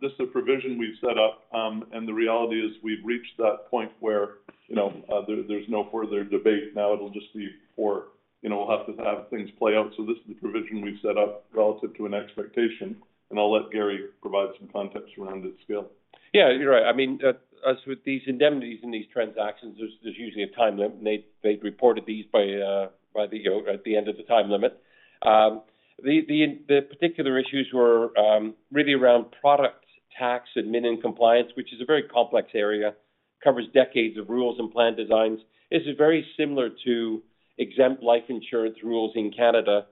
this is a provision we've set up, and the reality is we've reached that point where, you know, there, there's no further debate. Now, it'll just be for, you know, we'll have to have things play out. This is the provision we've set up relative to an expectation, and I'll let Gary provide some context around it scale. Yeah, you're right. I mean, as with these indemnities in these transactions, there's, there's usually a time limit, and they, they've reported these by, by the, you know, at the end of the time limit. The, the, the particular issues were really around product tax admin and compliance, which is a very complex area, covers decades of rules and plan designs. This is very similar to exempt life insurance rules in Canada,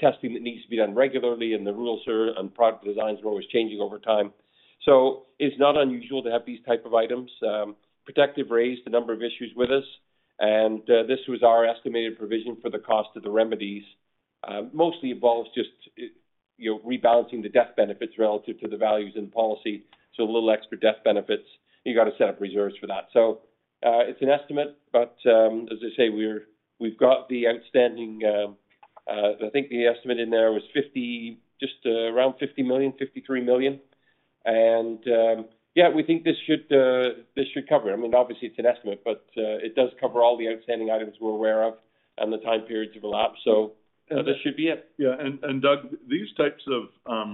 testing that needs to be done regularly, and the rules are, and product designs are always changing over time. So it's not unusual to have these type of items. Protective raised a number of issues with us, and this was our estimated provision for the cost of the remedies. Mostly involves just, you know, rebalancing the death benefits relative to the values in policy, so a little extra death benefits. You got to set up reserves for that. It's an estimate, but as I say, we've got the outstanding. I think the estimate in there was 50, just around 50 million, 53 million. Yeah, we think this should, this should cover it. I mean, obviously it's an estimate, but it does cover all the outstanding items we're aware of and the time periods have elapsed, so this should be it. Yeah. Doug, these types of,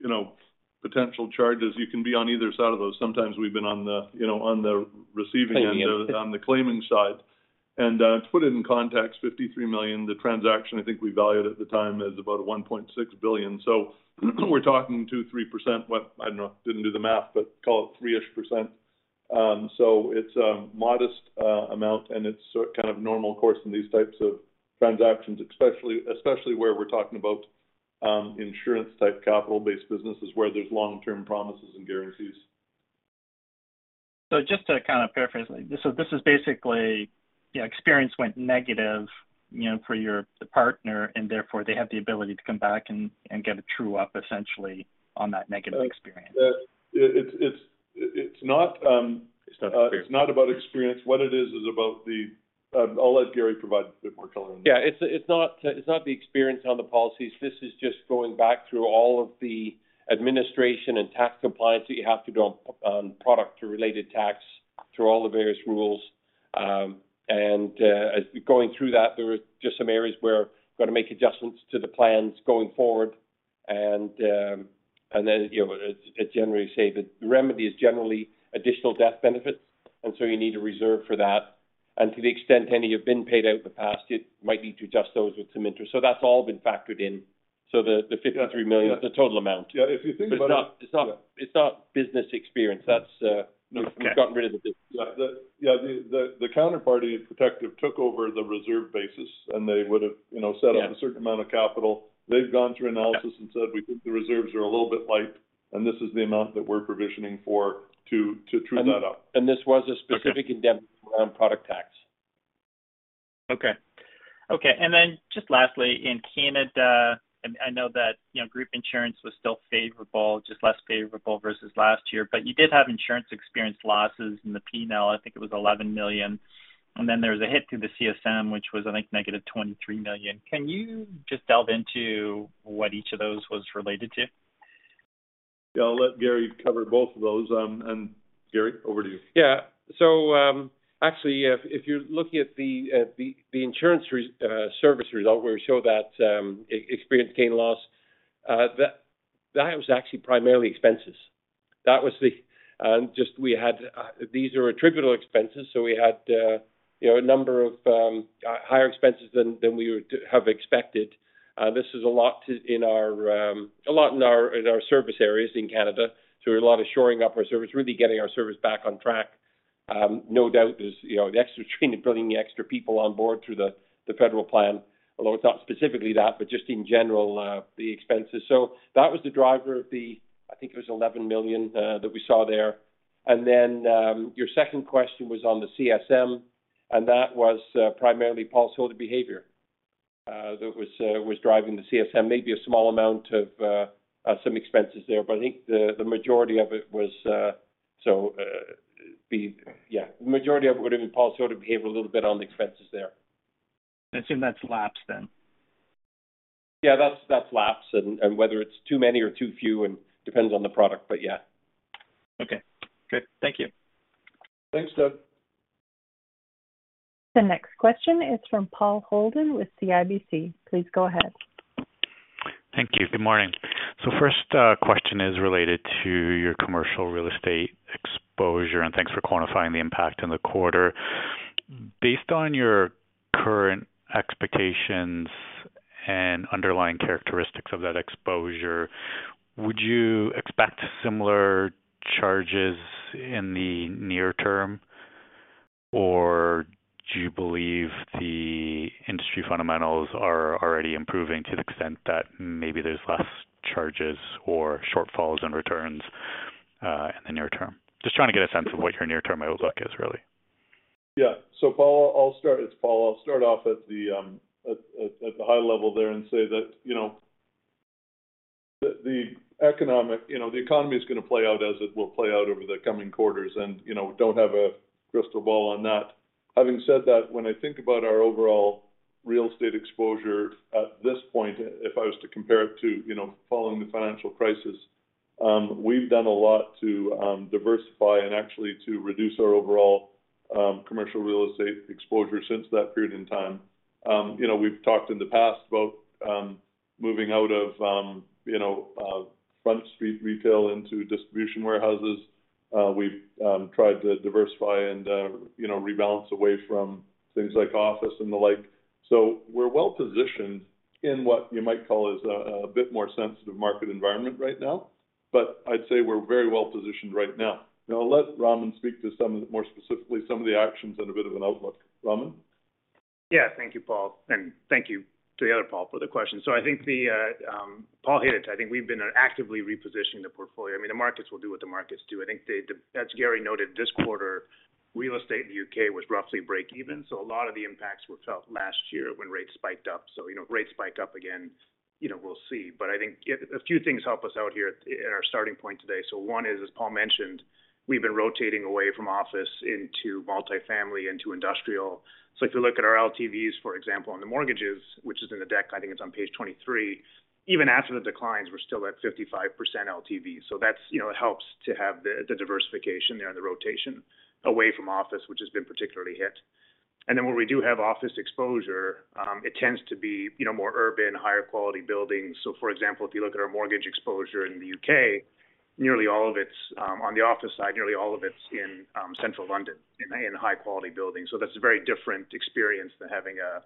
you know, potential charges, you can be on either side of those. Sometimes we've been on the, you know, on the receiving end, on the claiming side. To put it in context, 53 million, the transaction, I think we valued at the time, as about 1.6 billion. We're talking 2%, 3%. I don't know, didn't do the math, call it 3%ish. It's a modest amount, and it's kind of normal course in these types of transactions, especially, especially where we're talking about insurance type capital-based businesses where there's long-term promises and guarantees. Just to kind of paraphrase. This is basically, the experience went negative, you know, for your, the partner, and therefore, they have the ability to come back and, and get a true up, essentially, on that negative experience. Yeah, it, it's, it's not. It's not experience. It's not about experience. What it is, is about the, ... I'll let Gary provide a bit more color on that. Yeah, it's, it's not, it's not the experience on the policies. This is just going back through all of the administration and tax compliance that you have to do on, on product to related tax, through all the various rules. As going through that, there were just some areas where got to make adjustments to the plans going forward. You know, as generally say, the remedy is generally additional death benefits, and so you need to reserve for that. To the extent any have been paid out in the past, you might need to adjust those with some interest. That's all been factored in. The, the 53 million, the total amount. Yeah, if you think about it- It's not, it's not, it's not business experience. That's. Okay. We've gotten rid of the business. Yeah. The, yeah, the, the, the counterparty Protective took over the reserve basis. They would have, you know, set up- Yeah... a certain amount of capital. They've gone through analysis and said, "We think the reserves are a little bit light, and this is the amount that we're provisioning for, to true that up. This was a specific indemnity around product tax. Okay. Okay. Then just lastly, in Canada, I, I know that, you know, group insurance was still favorable, just less favorable versus last year, You did have insurance experience losses in the P&L, I think it was 11 million, and then there was a hit to the CSM, which was, I think, -23 million. Can you just delve into what each of those was related to? Yeah, I'll let Gary cover both of those. Gary, over to you. Yeah. Actually, if, if you're looking at the, at the, the insurance service result, where we show that, experience gain loss, that, that was actually primarily expenses. That was the, just we had... These are attributable expenses, so we had, you know, a number of, higher expenses than, than we would have expected. This is a lot in our, a lot in our, in our service areas in Canada, so a lot of shoring up our service, really getting our service back on track. No doubt there's, you know, the extra training, bringing the extra people on board through the federal plan, although it's not specifically that, but just in general, the expenses. That was the driver of the, I think it was 11 million that we saw there. Your second question was on the CSM, and that was primarily policyholder behavior that was driving the CSM. Maybe a small amount of some expenses there, I think the majority of it was so, yeah, the majority of it would have been policyholder behavior, a little bit on the expenses there. I assume that's lapsed then? Yeah, that's, that's lapsed. whether it's too many or too few, and depends on the product, but yeah. Okay, good. Thank you. Thanks, Doug. The next question is from Paul Holden with CIBC. Please go ahead. Thank you. Good morning. First, question is related to your commercial real estate exposure, and thanks for quantifying the impact in the quarter. Based on your current expectations and underlying characteristics of that exposure, would you expect similar charges in the near term, or do you believe the industry fundamentals are already improving to the extent that maybe there's less charges or shortfalls in returns, in the near term? Just trying to get a sense of what your near-term outlook is, really. Yeah. Paul, I'll start. It's Paul. I'll start off at the high level there and say that, you know, the economy is going to play out as it will play out over the coming quarters, and, you know, we don't have a crystal ball on that. Having said that, when I think about our overall real estate exposure at this point, if I was to compare it to, you know, following the financial crisis, we've done a lot to diversify and actually to reduce our overall commercial real estate exposure since that period in time. You know, we've talked in the past about moving out of, you know, Front Street retail into distribution warehouses. We've tried to diversify and, you know, rebalance away from things like office and the like. We're well positioned in what you might call is a, a bit more sensitive market environment right now, but I'd say we're very well positioned right now. I'll let Raman speak to some of the, more specifically, some of the actions and a bit of an outlook. Raman? Yeah. Thank you, Paul, and thank you to the other Paul for the question. I think the Paul hit it. I think we've been actively repositioning the portfolio. I mean, the markets will do what the markets do. I think they as Gary noted this quarter, real estate in the UK was roughly break even, so a lot of the impacts were felt last year when rates spiked up. You know, rates spiked up again, you know, we'll see. I think a few things help us out here at our starting point today. One is, as Paul mentioned, we've been rotating away from office into multifamily, into industrial. If you look at our LTVs, for example, on the mortgages, which is in the deck, I think it's on page 23. Even after the declines, we're still at 55% LTV. That's, you know, it helps to have the, the diversification there and the rotation away from office, which has been particularly hit. Then when we do have office exposure, it tends to be, you know, more urban, higher quality buildings. For example, if you look at our mortgage exposure in the UK, nearly all of it's on the office side, nearly all of it's in central London, in high-quality buildings. That's a very different experience than having a,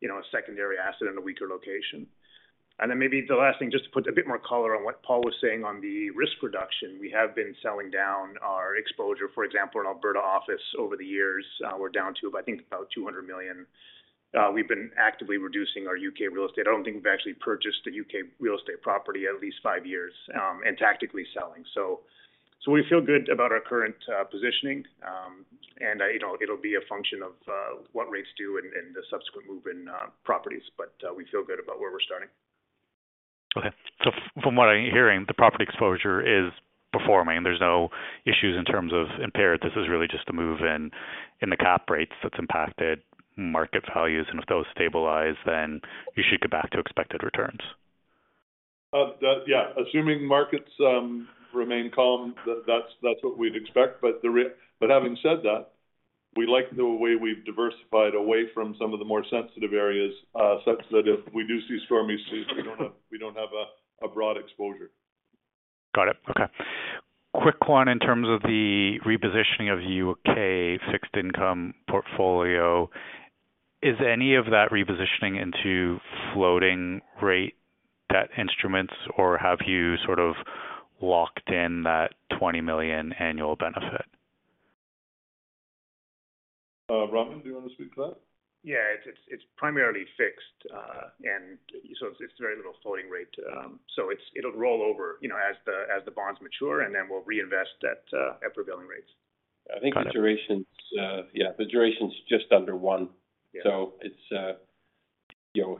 you know, a secondary asset in a weaker location. Then maybe the last thing, just to put a bit more color on what Paul was saying on the risk reduction. We have been selling down our exposure, for example, in Alberta office over the years, we're down to, I think, about 200 million. We've been actively reducing our UK real estate. I don't think we've actually purchased a UK real estate property at least 5 years, and tactically selling. So we feel good about our current positioning. You know, it'll be a function of what rates do and the subsequent move in properties, but we feel good about where we're starting. Okay. From what I'm hearing, the property exposure is performing. There's no issues in terms of impaired. This is really just a move in, in the cap rates that's impacted market values. If those stabilize, then you should get back to expected returns. that... Yeah, assuming markets remain calm, that's, that's what we'd expect. Having said that, we like the way we've diversified away from some of the more sensitive areas, such that if we do see stormy seas, we don't have a broad exposure. Got it. Okay. Quick one in terms of the repositioning of the UK fixed income portfolio. Is any of that repositioning into floating rate debt instruments, or have you sort of locked in that 20 million annual benefit? Raman, do you want to speak to that? Yeah, it's, it's, it's primarily fixed, and so it's very little floating rate. It'll roll over, you know, as the, as the bonds mature, and then we'll reinvest that, at prevailing rates. Got it. I think the duration's, yeah, the duration's just under 1. Yeah. It's, you know,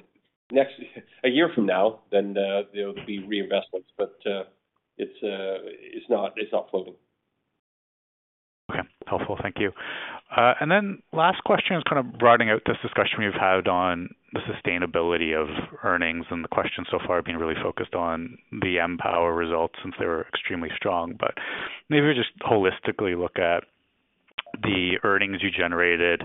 a year from now, there'll be reinvestments, but it's not, it's not floating. Okay. Helpful. Thank you. Then last question is kind of broadening out this discussion we've had on the sustainability of earnings, and the question so far being really focused on the Empower results since they were extremely strong. Maybe just holistically look at the earnings you generated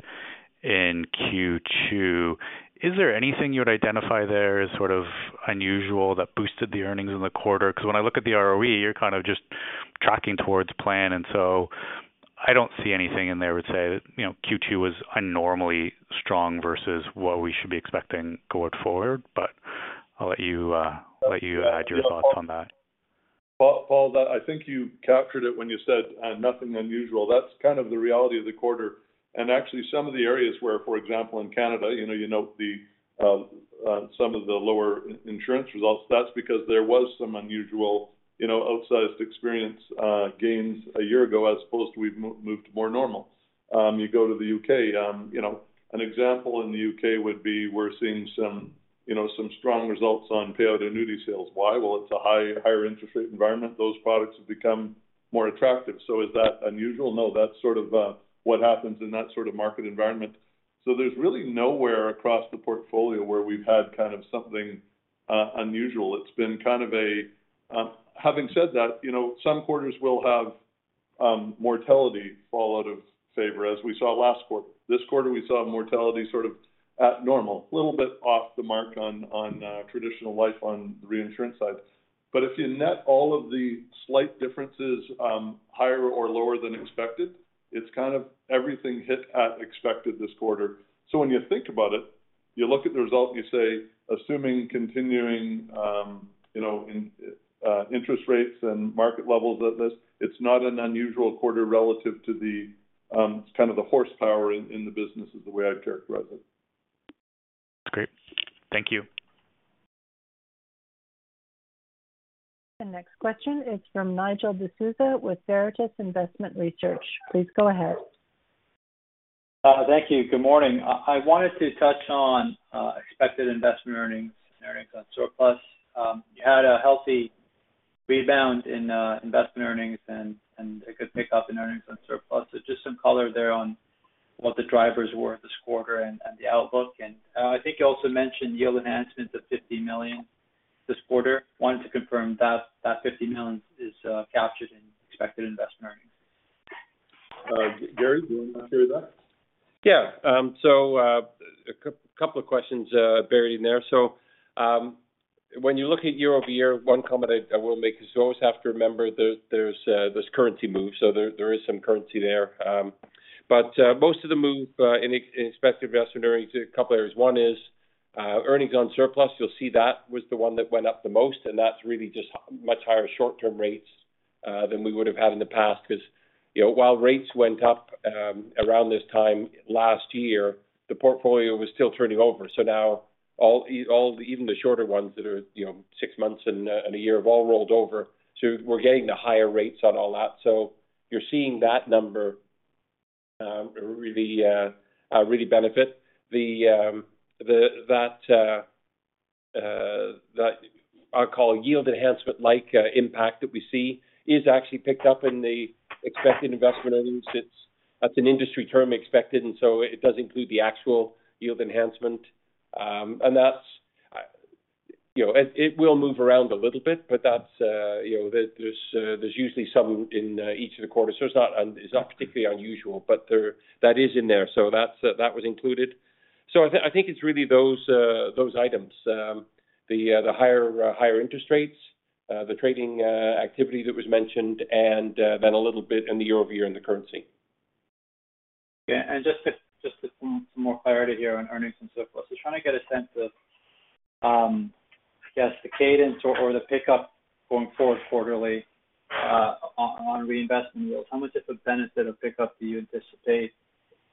in Q2. Is there anything you would identify there as sort of unusual that boosted the earnings in the quarter? Because when I look at the ROE, you're kind of just tracking towards plan, and so I don't see anything in there that would say that, you know, Q2 was unnormally strong versus what we should be expecting going forward. I'll let you let you add your thoughts on that.... Paul, Paul, I think you captured it when you said, nothing unusual. That's kind of the reality of the quarter, and actually some of the areas where, for example, in Canada, you know, you note the some of the lower insurance results. That's because there was some unusual, you know, outsized experience gains a year ago, as opposed to we've moved more normal. You go to the U.K., you know, an example in the U.K. would be we're seeing some, you know, some strong results on payout annuity sales. Why? Well, it's a higher interest rate environment. Those products have become more attractive. Is that unusual? No, that's sort of what happens in that sort of market environment. There's really nowhere across the portfolio where we've had kind of something unusual. It's been kind of a. Having said that, you know, some quarters will have mortality fall out of favor, as we saw last quarter. This quarter, we saw mortality sort of at normal, a little bit off the mark on, on traditional life on the reinsurance side. If you net all of the slight differences, higher or lower than expected, it's kind of everything hit at expected this quarter. When you think about it, you look at the result, and you say, assuming continuing, you know, interest rates and market levels at this, it's not an unusual quarter relative to the, it's kind of the horsepower in, in the business, is the way I'd characterize it. Great. Thank you. The next question is from Nigel D'Souza with Veritas Investment Research. Please go ahead. Thank you. Good morning. I, I wanted to touch on expected investment earnings and earnings on surplus. You had a healthy rebound in investment earnings, and a good pick up in earnings on surplus. Just some color there on what the drivers were this quarter and the outlook. I think you also mentioned yield enhancements of 50 million this quarter. Wanted to confirm that that 50 million is captured in expected investment earnings. Gary, do you want to deal with that? Yeah. couple questions buried in there. When you look at year-over-year, one comment I, I will make is you always have to remember there, there's this currency move, so there, there is some currency there. Most of the move in expected investment earnings, two areas. 1 is earnings on surplus. You'll see that was the 1 that went up the most, and that's really just much higher short-term rates than we would have had in the past, because, you know, while rates went up around this time last year, the portfolio was still turning over. Now all, all, even the shorter ones that are, you know, six months and 1 year, have all rolled over. We're getting the higher rates on all that. You're seeing that number really really benefit. The the that I'll call yield enhancement-like impact that we see is actually picked up in the expected investment earnings. It's, that's an industry term, expected, and so it does include the actual yield enhancement. That's, you know, it, it will move around a little bit, but that's, you know, there's, there's, there's usually some in each of the quarters, so it's not it's not particularly unusual, but that is in there, so that's that was included. I think, I think it's really those those items, the the higher higher interest rates, the trading activity that was mentioned, and then a little bit in the year-over-year in the currency. Yeah, just to, just to get some more clarity here on earnings and surplus. Just trying to get a sense of, I guess, the cadence or, or the pickup going forward quarterly on, on reinvestment yields. How much of a benefit or pickup do you anticipate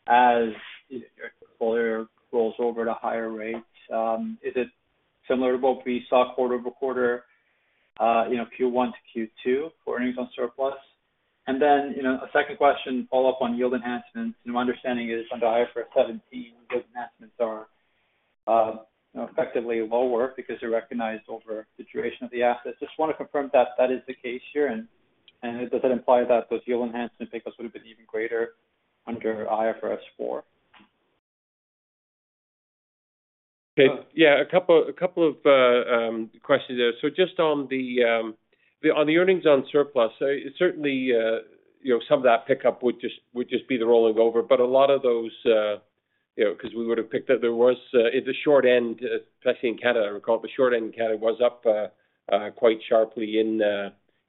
as your portfolio rolls over at a higher rate? Is it similar to what we saw quarter-over-quarter, you know, Q1 to Q2, for earnings on surplus? Then, you know, a second question, follow-up on yield enhancements. My understanding is, under IFRS 17, those enhancements are, you know, effectively lower because they're recognized over the duration of the assets. Just want to confirm that that is the case here, does that imply that those yield enhancement pickups would have been even greater under IFRS 4? Yeah, a couple, a couple of questions there. Just on the, the, on the earnings on surplus, certainly, you know, some of that pickup would just, would just be the rolling over. A lot of those, you know, because we would have picked up there was, in the short end, especially in Canada, I recall, the short end in Canada was up quite sharply in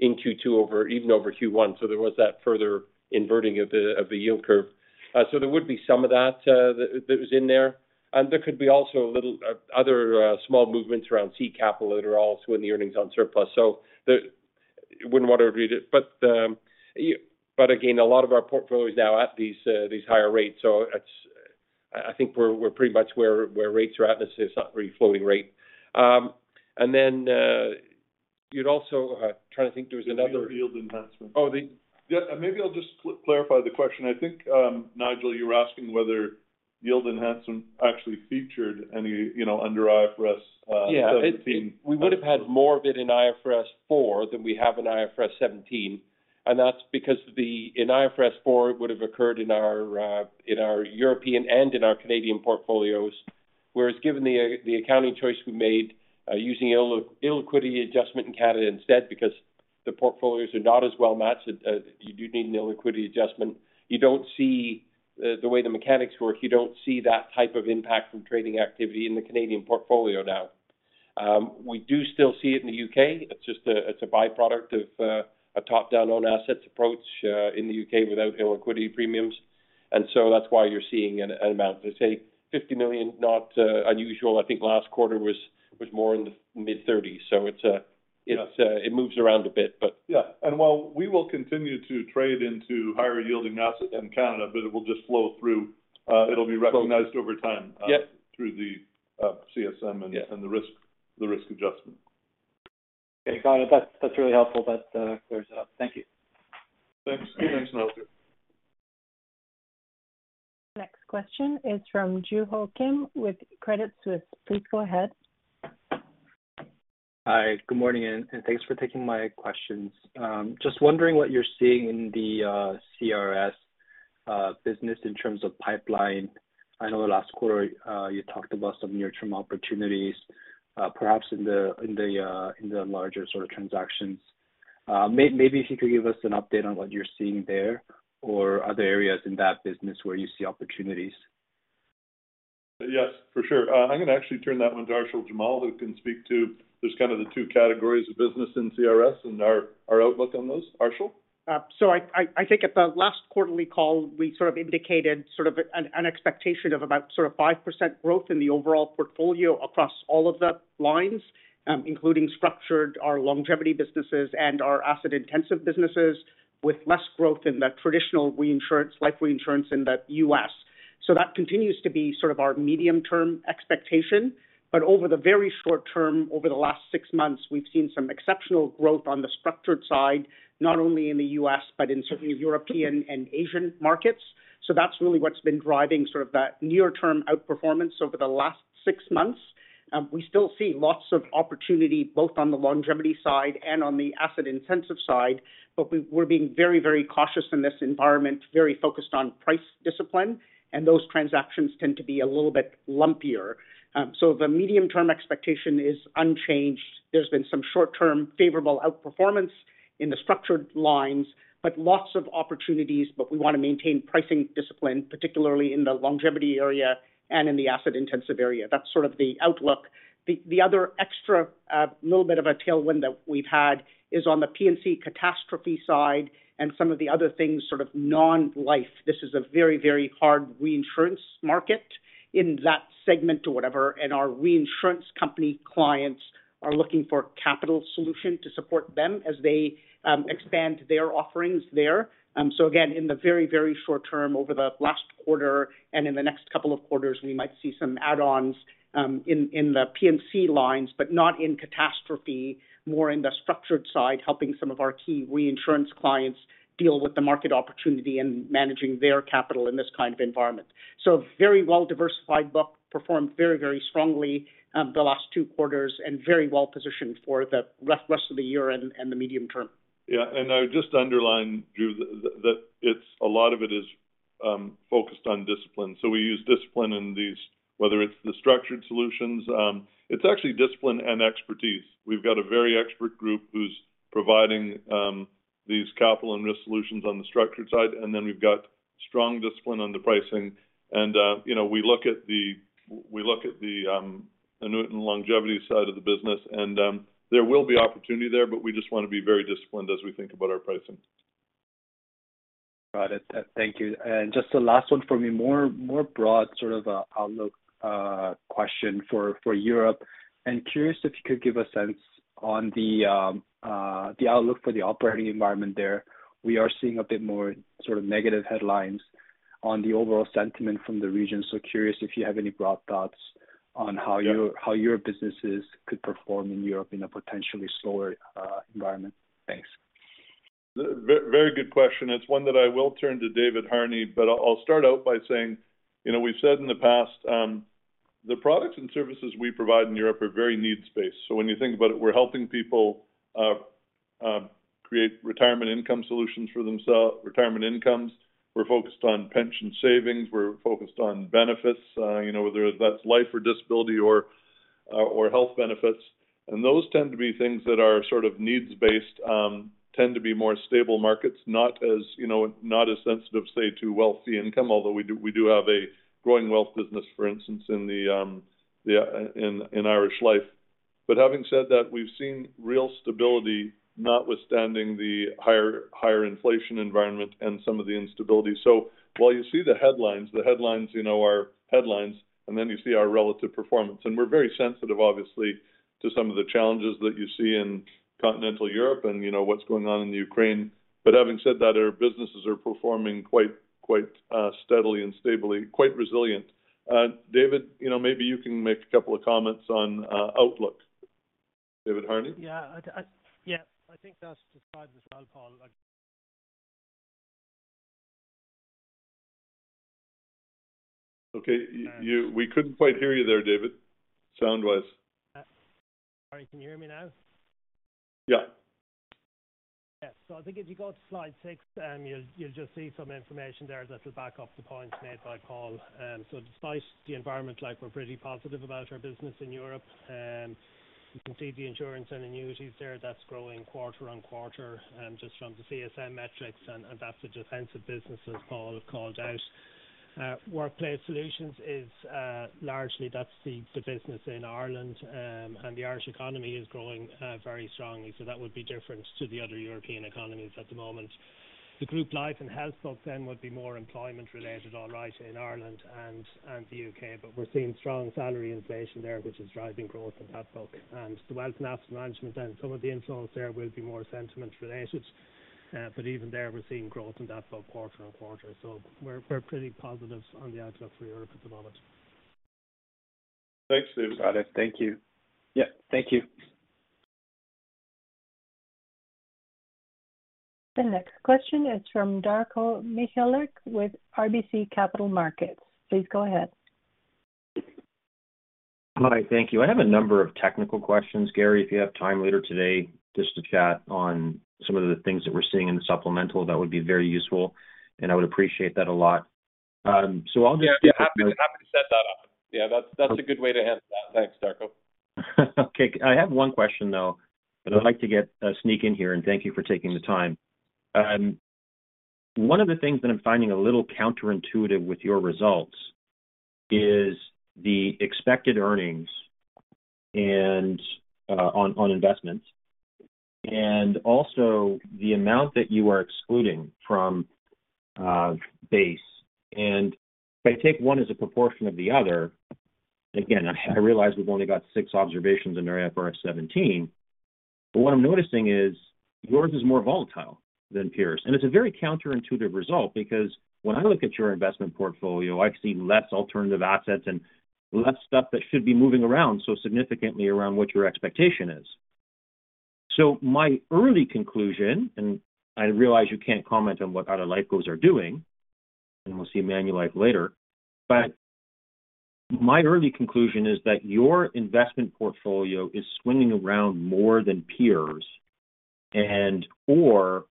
Q2 over, even over Q1. There was that further inverting of the, of the yield curve. There would be some of that, that, that was in there. There could be also a little other small movements around C capital that are also in the earnings on surplus. Wouldn't want to read it, but, but again, a lot of our portfolio is now at these, these higher rates, so it's. I, I think we're, we're pretty much where, where rates are at, and it's not really flowing rate. You'd also, trying to think there was another. The yield enhancement. Oh, the... Yeah, maybe I'll just clarify the question. I think, Nigel, you were asking whether yield enhancement actually featured any, you know, under IFRS 17? Yeah. We would have had more of it in IFRS 4 than we have in IFRS 17. That's because in IFRS 4, it would have occurred in our in our European and in our Canadian portfolios, whereas given the accounting choice we made, using illiquidity adjustment in Canada instead, because the portfolios are not as well matched, you do need an illiquidity adjustment. You don't see, the way the mechanics work, you don't see that type of impact from trading activity in the Canadian portfolio now. We do still see it in the U.K. It's just a, it's a by-product of a top-down own assets approach in the U.K. without illiquidity premiums. That's why you're seeing an amount, let's say, 50 million, not unusual. I think last quarter was more in the CAD mid-30s. It's, you know, it moves around a bit. Yeah, while we will continue to trade into higher yielding assets in Canada, but it will just flow through, it'll be recognized over time... Yes through the CSM- Yeah and the risk, the risk adjustment. Okay, got it. That's, that's really helpful. There's. Thank you. Thanks. Thanks, Malcolm. Next question is from Joo Ho Kim with Credit Suisse. Please go ahead. Hi, good morning, and, and thanks for taking my questions. Just wondering what you're seeing in the CRS business in terms of pipeline. I know last quarter, you talked about some near-term opportunities, perhaps in the, in the larger sort of transactions. Maybe if you could give us an update on what you're seeing there or other areas in that business where you see opportunities. Yes, for sure. I'm going to actually turn that one to Arshil Jamal, who can speak to just kind of the two categories of business in CRS and our, our outlook on those. Arshil? I, I, I think at the last quarterly call, we sort of indicated sort of an, an expectation of about sort of 5% growth in the overall portfolio across all of the lines, including structured our longevity businesses and our asset-intensive businesses, with less growth in the traditional reinsurance, life reinsurance in the U.S. That continues to be sort of our medium-term expectation. Over the very short term, over the last 6 months, we've seen some exceptional growth on the structured side, not only in the U.S., but in certain European and Asian markets. That's really what's been driving sort of that near-term outperformance over the last 6 months. We still see lots of opportunity, both on the longevity side and on the asset-intensive side. We're being very, very cautious in this environment, very focused on price discipline, and those transactions tend to be a little bit lumpier. The medium-term expectation is unchanged. There's been some short-term favorable outperformance in the structured lines. Lots of opportunities, but we want to maintain pricing discipline, particularly in the longevity area and in the asset-intensive area. That's sort of the outlook. The other extra, little bit of a tailwind that we've had is on the P&C catastrophe side and some of the other things, sort of non-life. This is a very, very hard reinsurance market in that segment or whatever. Our reinsurance company clients are looking for capital solution to support them as they expand their offerings there. Again, in the very, very short term, over the last quarter and in the next couple of quarters, we might see some add-ons in the P&C lines, but not in catastrophe, more in the structured side, helping some of our key reinsurance clients deal with the market opportunity and managing their capital in this kind of environment. Very well-diversified book, performed very, very strongly the last 2 quarters, and very well positioned for the rest of the year and the medium term. Yeah, I would just underline, Ju, that, that a lot of it is focused on discipline. We use discipline in these, whether it's the structured solutions. It's actually discipline and expertise. We've got a very expert group who's providing these Capital and Risk Solutions on the structured side, and then we've got strong discipline on the pricing. You know, we look at the, we look at the annuity and longevity side of the business, and there will be opportunity there, but we just want to be very disciplined as we think about our pricing. Got it. Thank you. Just the last one for me, more, more broad, sort of, outlook, question for, for Europe. I'm curious if you could give a sense on the, the outlook for the operating environment there. We are seeing a bit more sort of negative headlines on the overall sentiment from the region. Curious if you have any broad thoughts on how your-? Yeah... how your businesses could perform in Europe in a potentially slower environment? Thanks. Very good question. It's one that I will turn to David Harney, but I'll, I'll start out by saying, you know, we've said in the past, the products and services we provide in Europe are very needs-based. When you think about it, we're helping people create retirement income solutions for themselves- retirement incomes. We're focused on pension savings. We're focused on benefits, you know, whether that's life or disability or health benefits. Those tend to be things that are sort of needs-based, tend to be more stable markets, not as, you know, not as sensitive, say, to wealthy income, although we do, we do have a growing wealth business, for instance, in the, the, in, in Irish Life. Having said that, we've seen real stability, notwithstanding the higher, higher inflation environment and some of the instability. While you see the headlines, the headlines, you know, are headlines, and then you see our relative performance. We're very sensitive, obviously, to some of the challenges that you see in continental Europe and, you know, what's going on in the Ukraine. Having said that, our businesses are performing quite, quite, steadily and stably, quite resilient. David, you know, maybe you can make a couple of comments on outlook. David Harney? Yeah, I, I, yeah, I think that's decided as well, Paul. Okay. We couldn't quite hear you there, David, sound wise. Sorry, can you hear me now? Yeah. Yes. I think if you go to slide 6, you'll, you'll just see some information there that will back up the points made by Paul. Despite the environment, like, we're pretty positive about our business in Europe. You can see the insurance and annuities there. That's growing quarter-on-quarter, just from the CSM metrics, and, and that's the defensive businesses Paul called out. ... Workplace Solutions is largely that's the business in Ireland. The Irish economy is growing very strongly, so that would be different to the other European economies at the moment. The group Life and Health book then would be more employment related, all right, in Ireland and the U.K. We're seeing strong salary inflation there, which is driving growth in that book. The wealth and asset management, then some of the inflows there will be more sentiment related. Even there, we're seeing growth in that book quarter on quarter. We're pretty positive on the outlook for Europe at the moment. Thanks, David. Got it. Thank you. Yeah, thank you. The next question is from Darko Mihelic with RBC Capital Markets. Please go ahead. Hi, thank you. I have a number of technical questions, Gary, if you have time later today, just to chat on some of the things that we're seeing in the supplemental, that would be very useful, and I would appreciate that a lot. Yeah, happy, happy to set that up. Yeah, that's, that's a good way to handle that. Thanks, Darko. Okay, I have one question, though, that I'd like to get, sneak in here, and thank you for taking the time. One of the things that I'm finding a little counterintuitive with your results is the expected earnings and, on, on investments, and also the amount that you are excluding from, base. If I take one as a proportion of the other, again, I, I realize we've only got six observations in our IFRS 17, but what I'm noticing is, yours is more volatile than peers. It's a very counterintuitive result because when I look at your investment portfolio, I see less alternative assets and less stuff that should be moving around so significantly around what your expectation is. My early conclusion, and I realize you can't comment on what other Lifecos are doing, and we'll see Manulife later. My early conclusion is that your investment portfolio is swinging around more than peers, and, or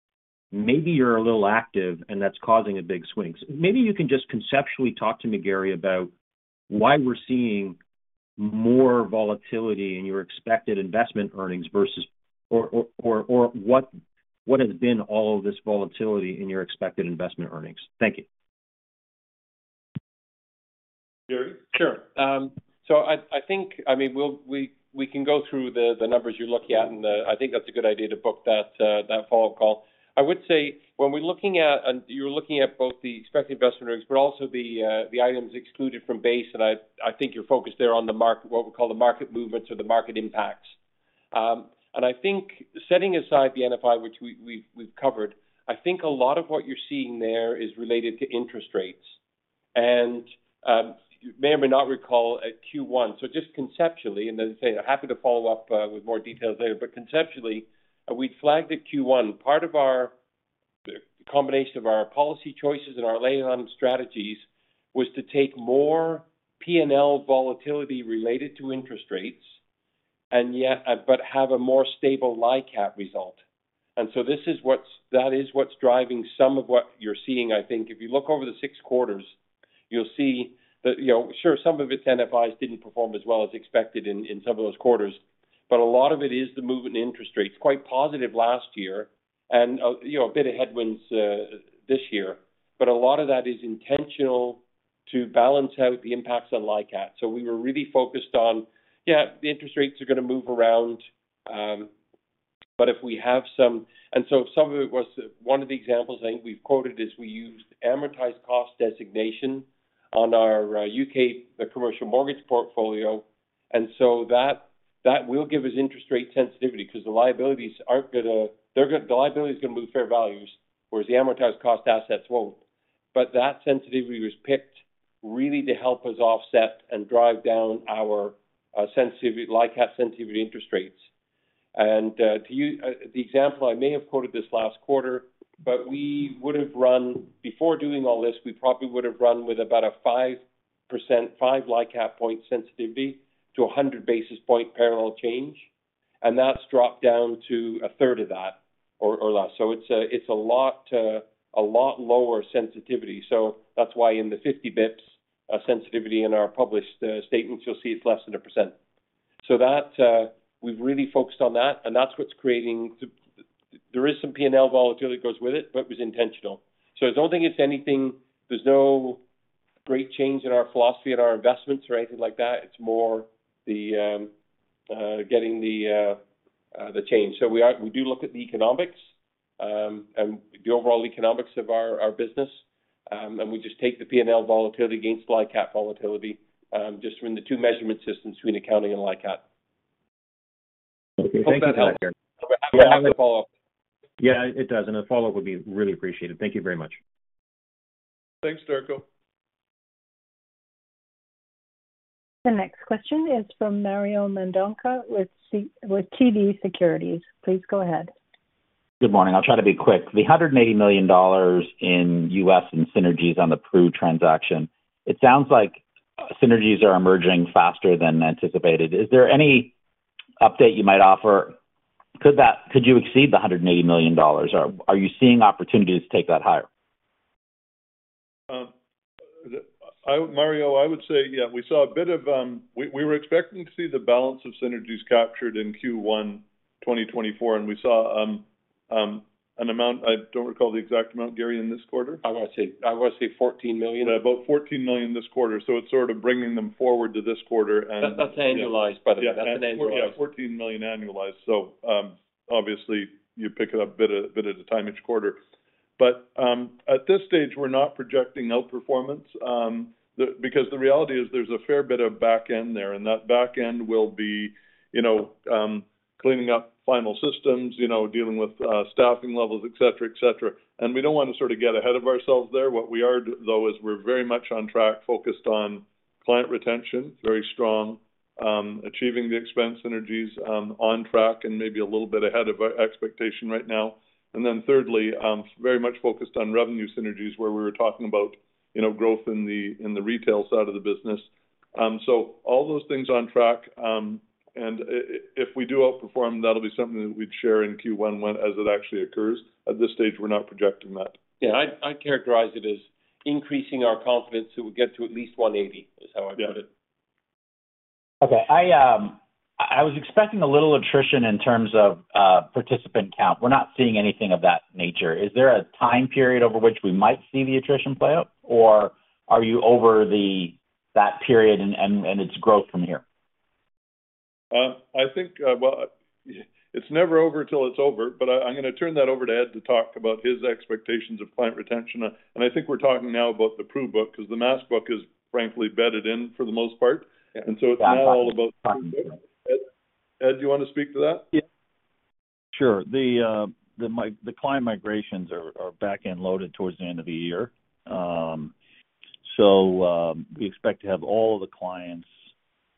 maybe you're a little active, and that's causing the big swings. Maybe you can just conceptually talk to me, Gary, about why we're seeing more volatility in your expected investment earnings versus or what, what has been all of this volatility in your expected investment earnings? Thank you. Gary? Sure. I, I think, I mean, we, we can go through the, the numbers you're looking at, I think that's a good idea to book that, that follow call. I would say when we're looking at, and you're looking at both the expected investment rates, but also the, the items excluded from base. I, I think you're focused there on the market, what we call the market movements or the market impacts. I think setting aside the NFI, which we, we've, we've covered, I think a lot of what you're seeing there is related to interest rates. You may or may not recall at Q1. Just conceptually, and then say, I'm happy to follow up with more details later. Conceptually, we'd flagged at Q1, part of our, the combination of our policy choices and our layout strategies was to take more PNL volatility related to interest rates, and yet, but have a more stable LICAT result. This is what's driving some of what you're seeing, I think. If you look over the six quarters, you'll see that, you know, sure, some of its NFIs didn't perform as well as expected in, in some of those quarters, but a lot of it is the movement in interest rates. Quite positive last year and, you know, a bit of headwinds, this year, but a lot of that is intentional to balance out the impacts on LICAT. We were really focused on, yeah, the interest rates are going to move around, but so some of it was, one of the examples I think we've quoted is we used amortized cost designation on our UK commercial mortgage portfolio, and so that, that will give us interest rate sensitivity because the liability is gonna move fair values, whereas the amortized cost assets won't. That sensitivity was picked really to help us offset and drive down our sensitivity, LICAT sensitivity interest rates. To you, the example, I may have quoted this last quarter, but we would have run, before doing all this, we probably would have run with about a 5%, 5 LICAT point sensitivity to a 100 basis point parallel change, and that's dropped down to a third of that or less. It's a lot, a lot lower sensitivity. That's why in the 50 basis points sensitivity in our published statements, you'll see it's less than 1%. That, we've really focused on that, and that's what's creating the... There is some PNL volatility goes with it, but it was intentional. I don't think it's anything, there's no great change in our philosophy and our investments or anything like that. It's more the, getting the, the change. We do look at the economics, and the overall economics of our, our business, and we just take the PNL volatility against LICAT volatility, just from the two measurement systems between accounting and LICAT. Okay, thank you. Hope that helps. Happy to follow up. Yeah, it does, and a follow-up would be really appreciated. Thank you very much. Thanks, Darko. The next question is from Mario Mendonka with TD Securities. Please go ahead. Good morning. I'll try to be quick. The $180 million in U.S. and synergies on the Pru transaction, it sounds like synergies are emerging faster than anticipated. Is there any update you might offer? Could you exceed the $180 million, or are you seeing opportunities to take that higher? I, Mario, I would say, yeah, we saw a bit of, we, we were expecting to see the balance of synergies captured in Q1, 2024, and we saw, an amount, I don't recall the exact amount, Gary, in this quarter? I want to say, I want to say 14 million. About 14 million this quarter, so it's sort of bringing them forward to this quarter. That, that's annualized, by the way. Yeah. That's annualized. Yeah, 14 million annualized. Obviously, you pick it up a bit, a bit at a time each quarter. At this stage, we're not projecting outperformance because the reality is there's a fair bit of back end there, and that back end will be, you know, cleaning up final systems, you know, dealing with, staffing levels, et cetera, et cetera. We don't want to sort of get ahead of ourselves there. What we are though, is we're very much on track, focused on client retention, very strong. Achieving the expense synergies, on track and maybe a little bit ahead of our expectation right now. Thirdly, very much focused on revenue synergies, where we were talking about, you know, growth in the, in the retail side of the business. All those things on track. If we do outperform, that'll be something that we'd share in Q1 when, as it actually occurs. At this stage, we're not projecting that. Yeah, I'd, I'd characterize it as increasing our confidence that we'll get to at least 180, is how I'd put it. Yeah. Okay. I, I was expecting a little attrition in terms of participant count. We're not seeing anything of that nature. Is there a time period over which we might see the attrition play out, or are you over the, that period and, and, and it's growth from here? I think, well, it's never over till it's over, but I, I'm going to turn that over to Ed to talk about his expectations of client retention. I think we're talking now about the Pru book, because the Mass book is frankly bedded in for the most part. Yeah. It's now all about Pru book. Ed, Ed, do you want to speak to that? Yeah. Sure. The client migrations are back-end loaded towards the end of the year. We expect to have all the clients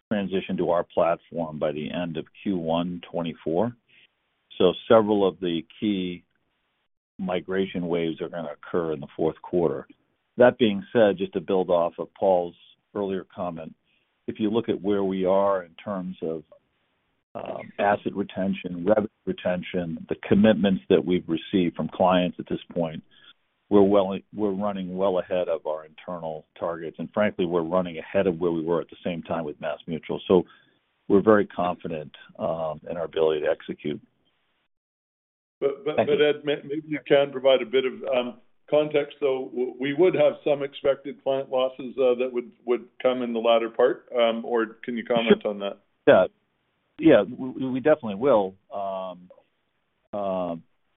transition to our platform by the end of Q1 2024. Several of the key migration waves are going to occur in the fourth quarter. That being said, just to build off of Paul's earlier comment, if you look at where we are in terms of asset retention, revenue retention, the commitments that we've received from clients at this point, we're running well ahead of our internal targets, and frankly, we're running ahead of where we were at the same time with MassMutual. We're very confident in our ability to execute. Thank you. Ed, maybe you can provide a bit of context, though. We, we would have some expected client losses that would, would come in the latter part. Can you comment on that? Sure. Yeah, yeah, we definitely will.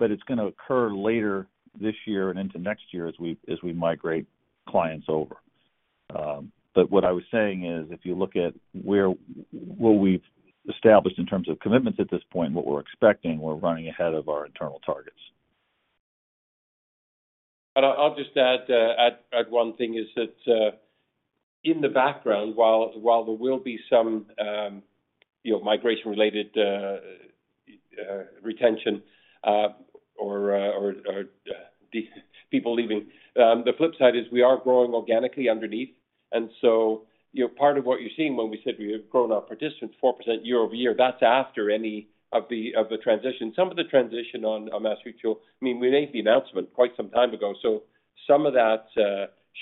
It's going to occur later this year and into next year as we, as we migrate clients over. What I was saying is, if you look at where, what we've established in terms of commitments at this point, what we're expecting, we're running ahead of our internal targets. I'll just add, add, add one thing, is that, in the background, while, while there will be some, you know, migration-related, retention, or, or, or, people leaving, the flip side is we are growing organically underneath. You know, part of what you're seeing when we said we have grown our participants 4% year-over-year, that's after any of the, of the transition. Some of the transition on, on MassMutual, I mean, we made the announcement quite some time ago, so some of that,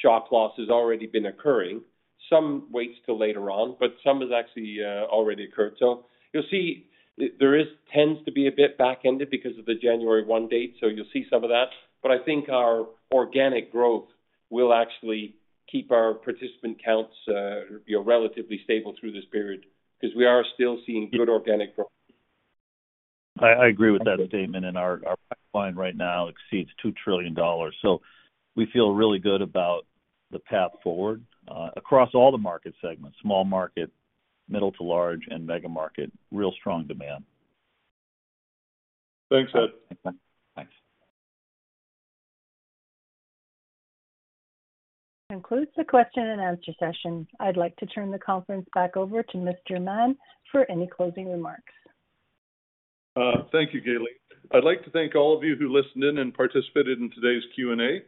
shock loss has already been occurring. Some waits till later on, but some has actually, already occurred. You'll see, there is, tends to be a bit back-ended because of the January 1 date, so you'll see some of that. I think our organic growth will actually keep our participant counts, you know, relatively stable through this period, because we are still seeing good organic growth. I agree with that statement. Our pipeline right now exceeds 2 trillion dollars. We feel really good about the path forward across all the market segments, small market, middle to large, and mega market. Real strong demand. Thanks, Ed. Thanks, bye. Thanks. Concludes the question and answer session. I'd like to turn the conference back over to Mr. Mahon for any closing remarks. Thank you, Gaylene. I'd like to thank all of you who listened in and participated in today's Q&A.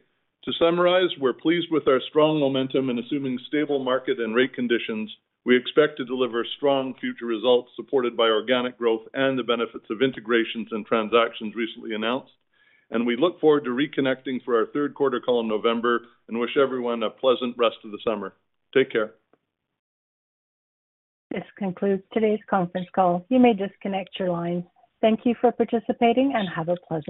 To summarize, we're pleased with our strong momentum, and assuming stable market and rate conditions, we expect to deliver strong future results supported by organic growth and the benefits of integrations and transactions recently announced. We look forward to reconnecting for our third quarter call in November and wish everyone a pleasant rest of the summer. Take care. This concludes today's conference call. You may disconnect your lines. Thank you for participating, and have a pleasant rest of the day.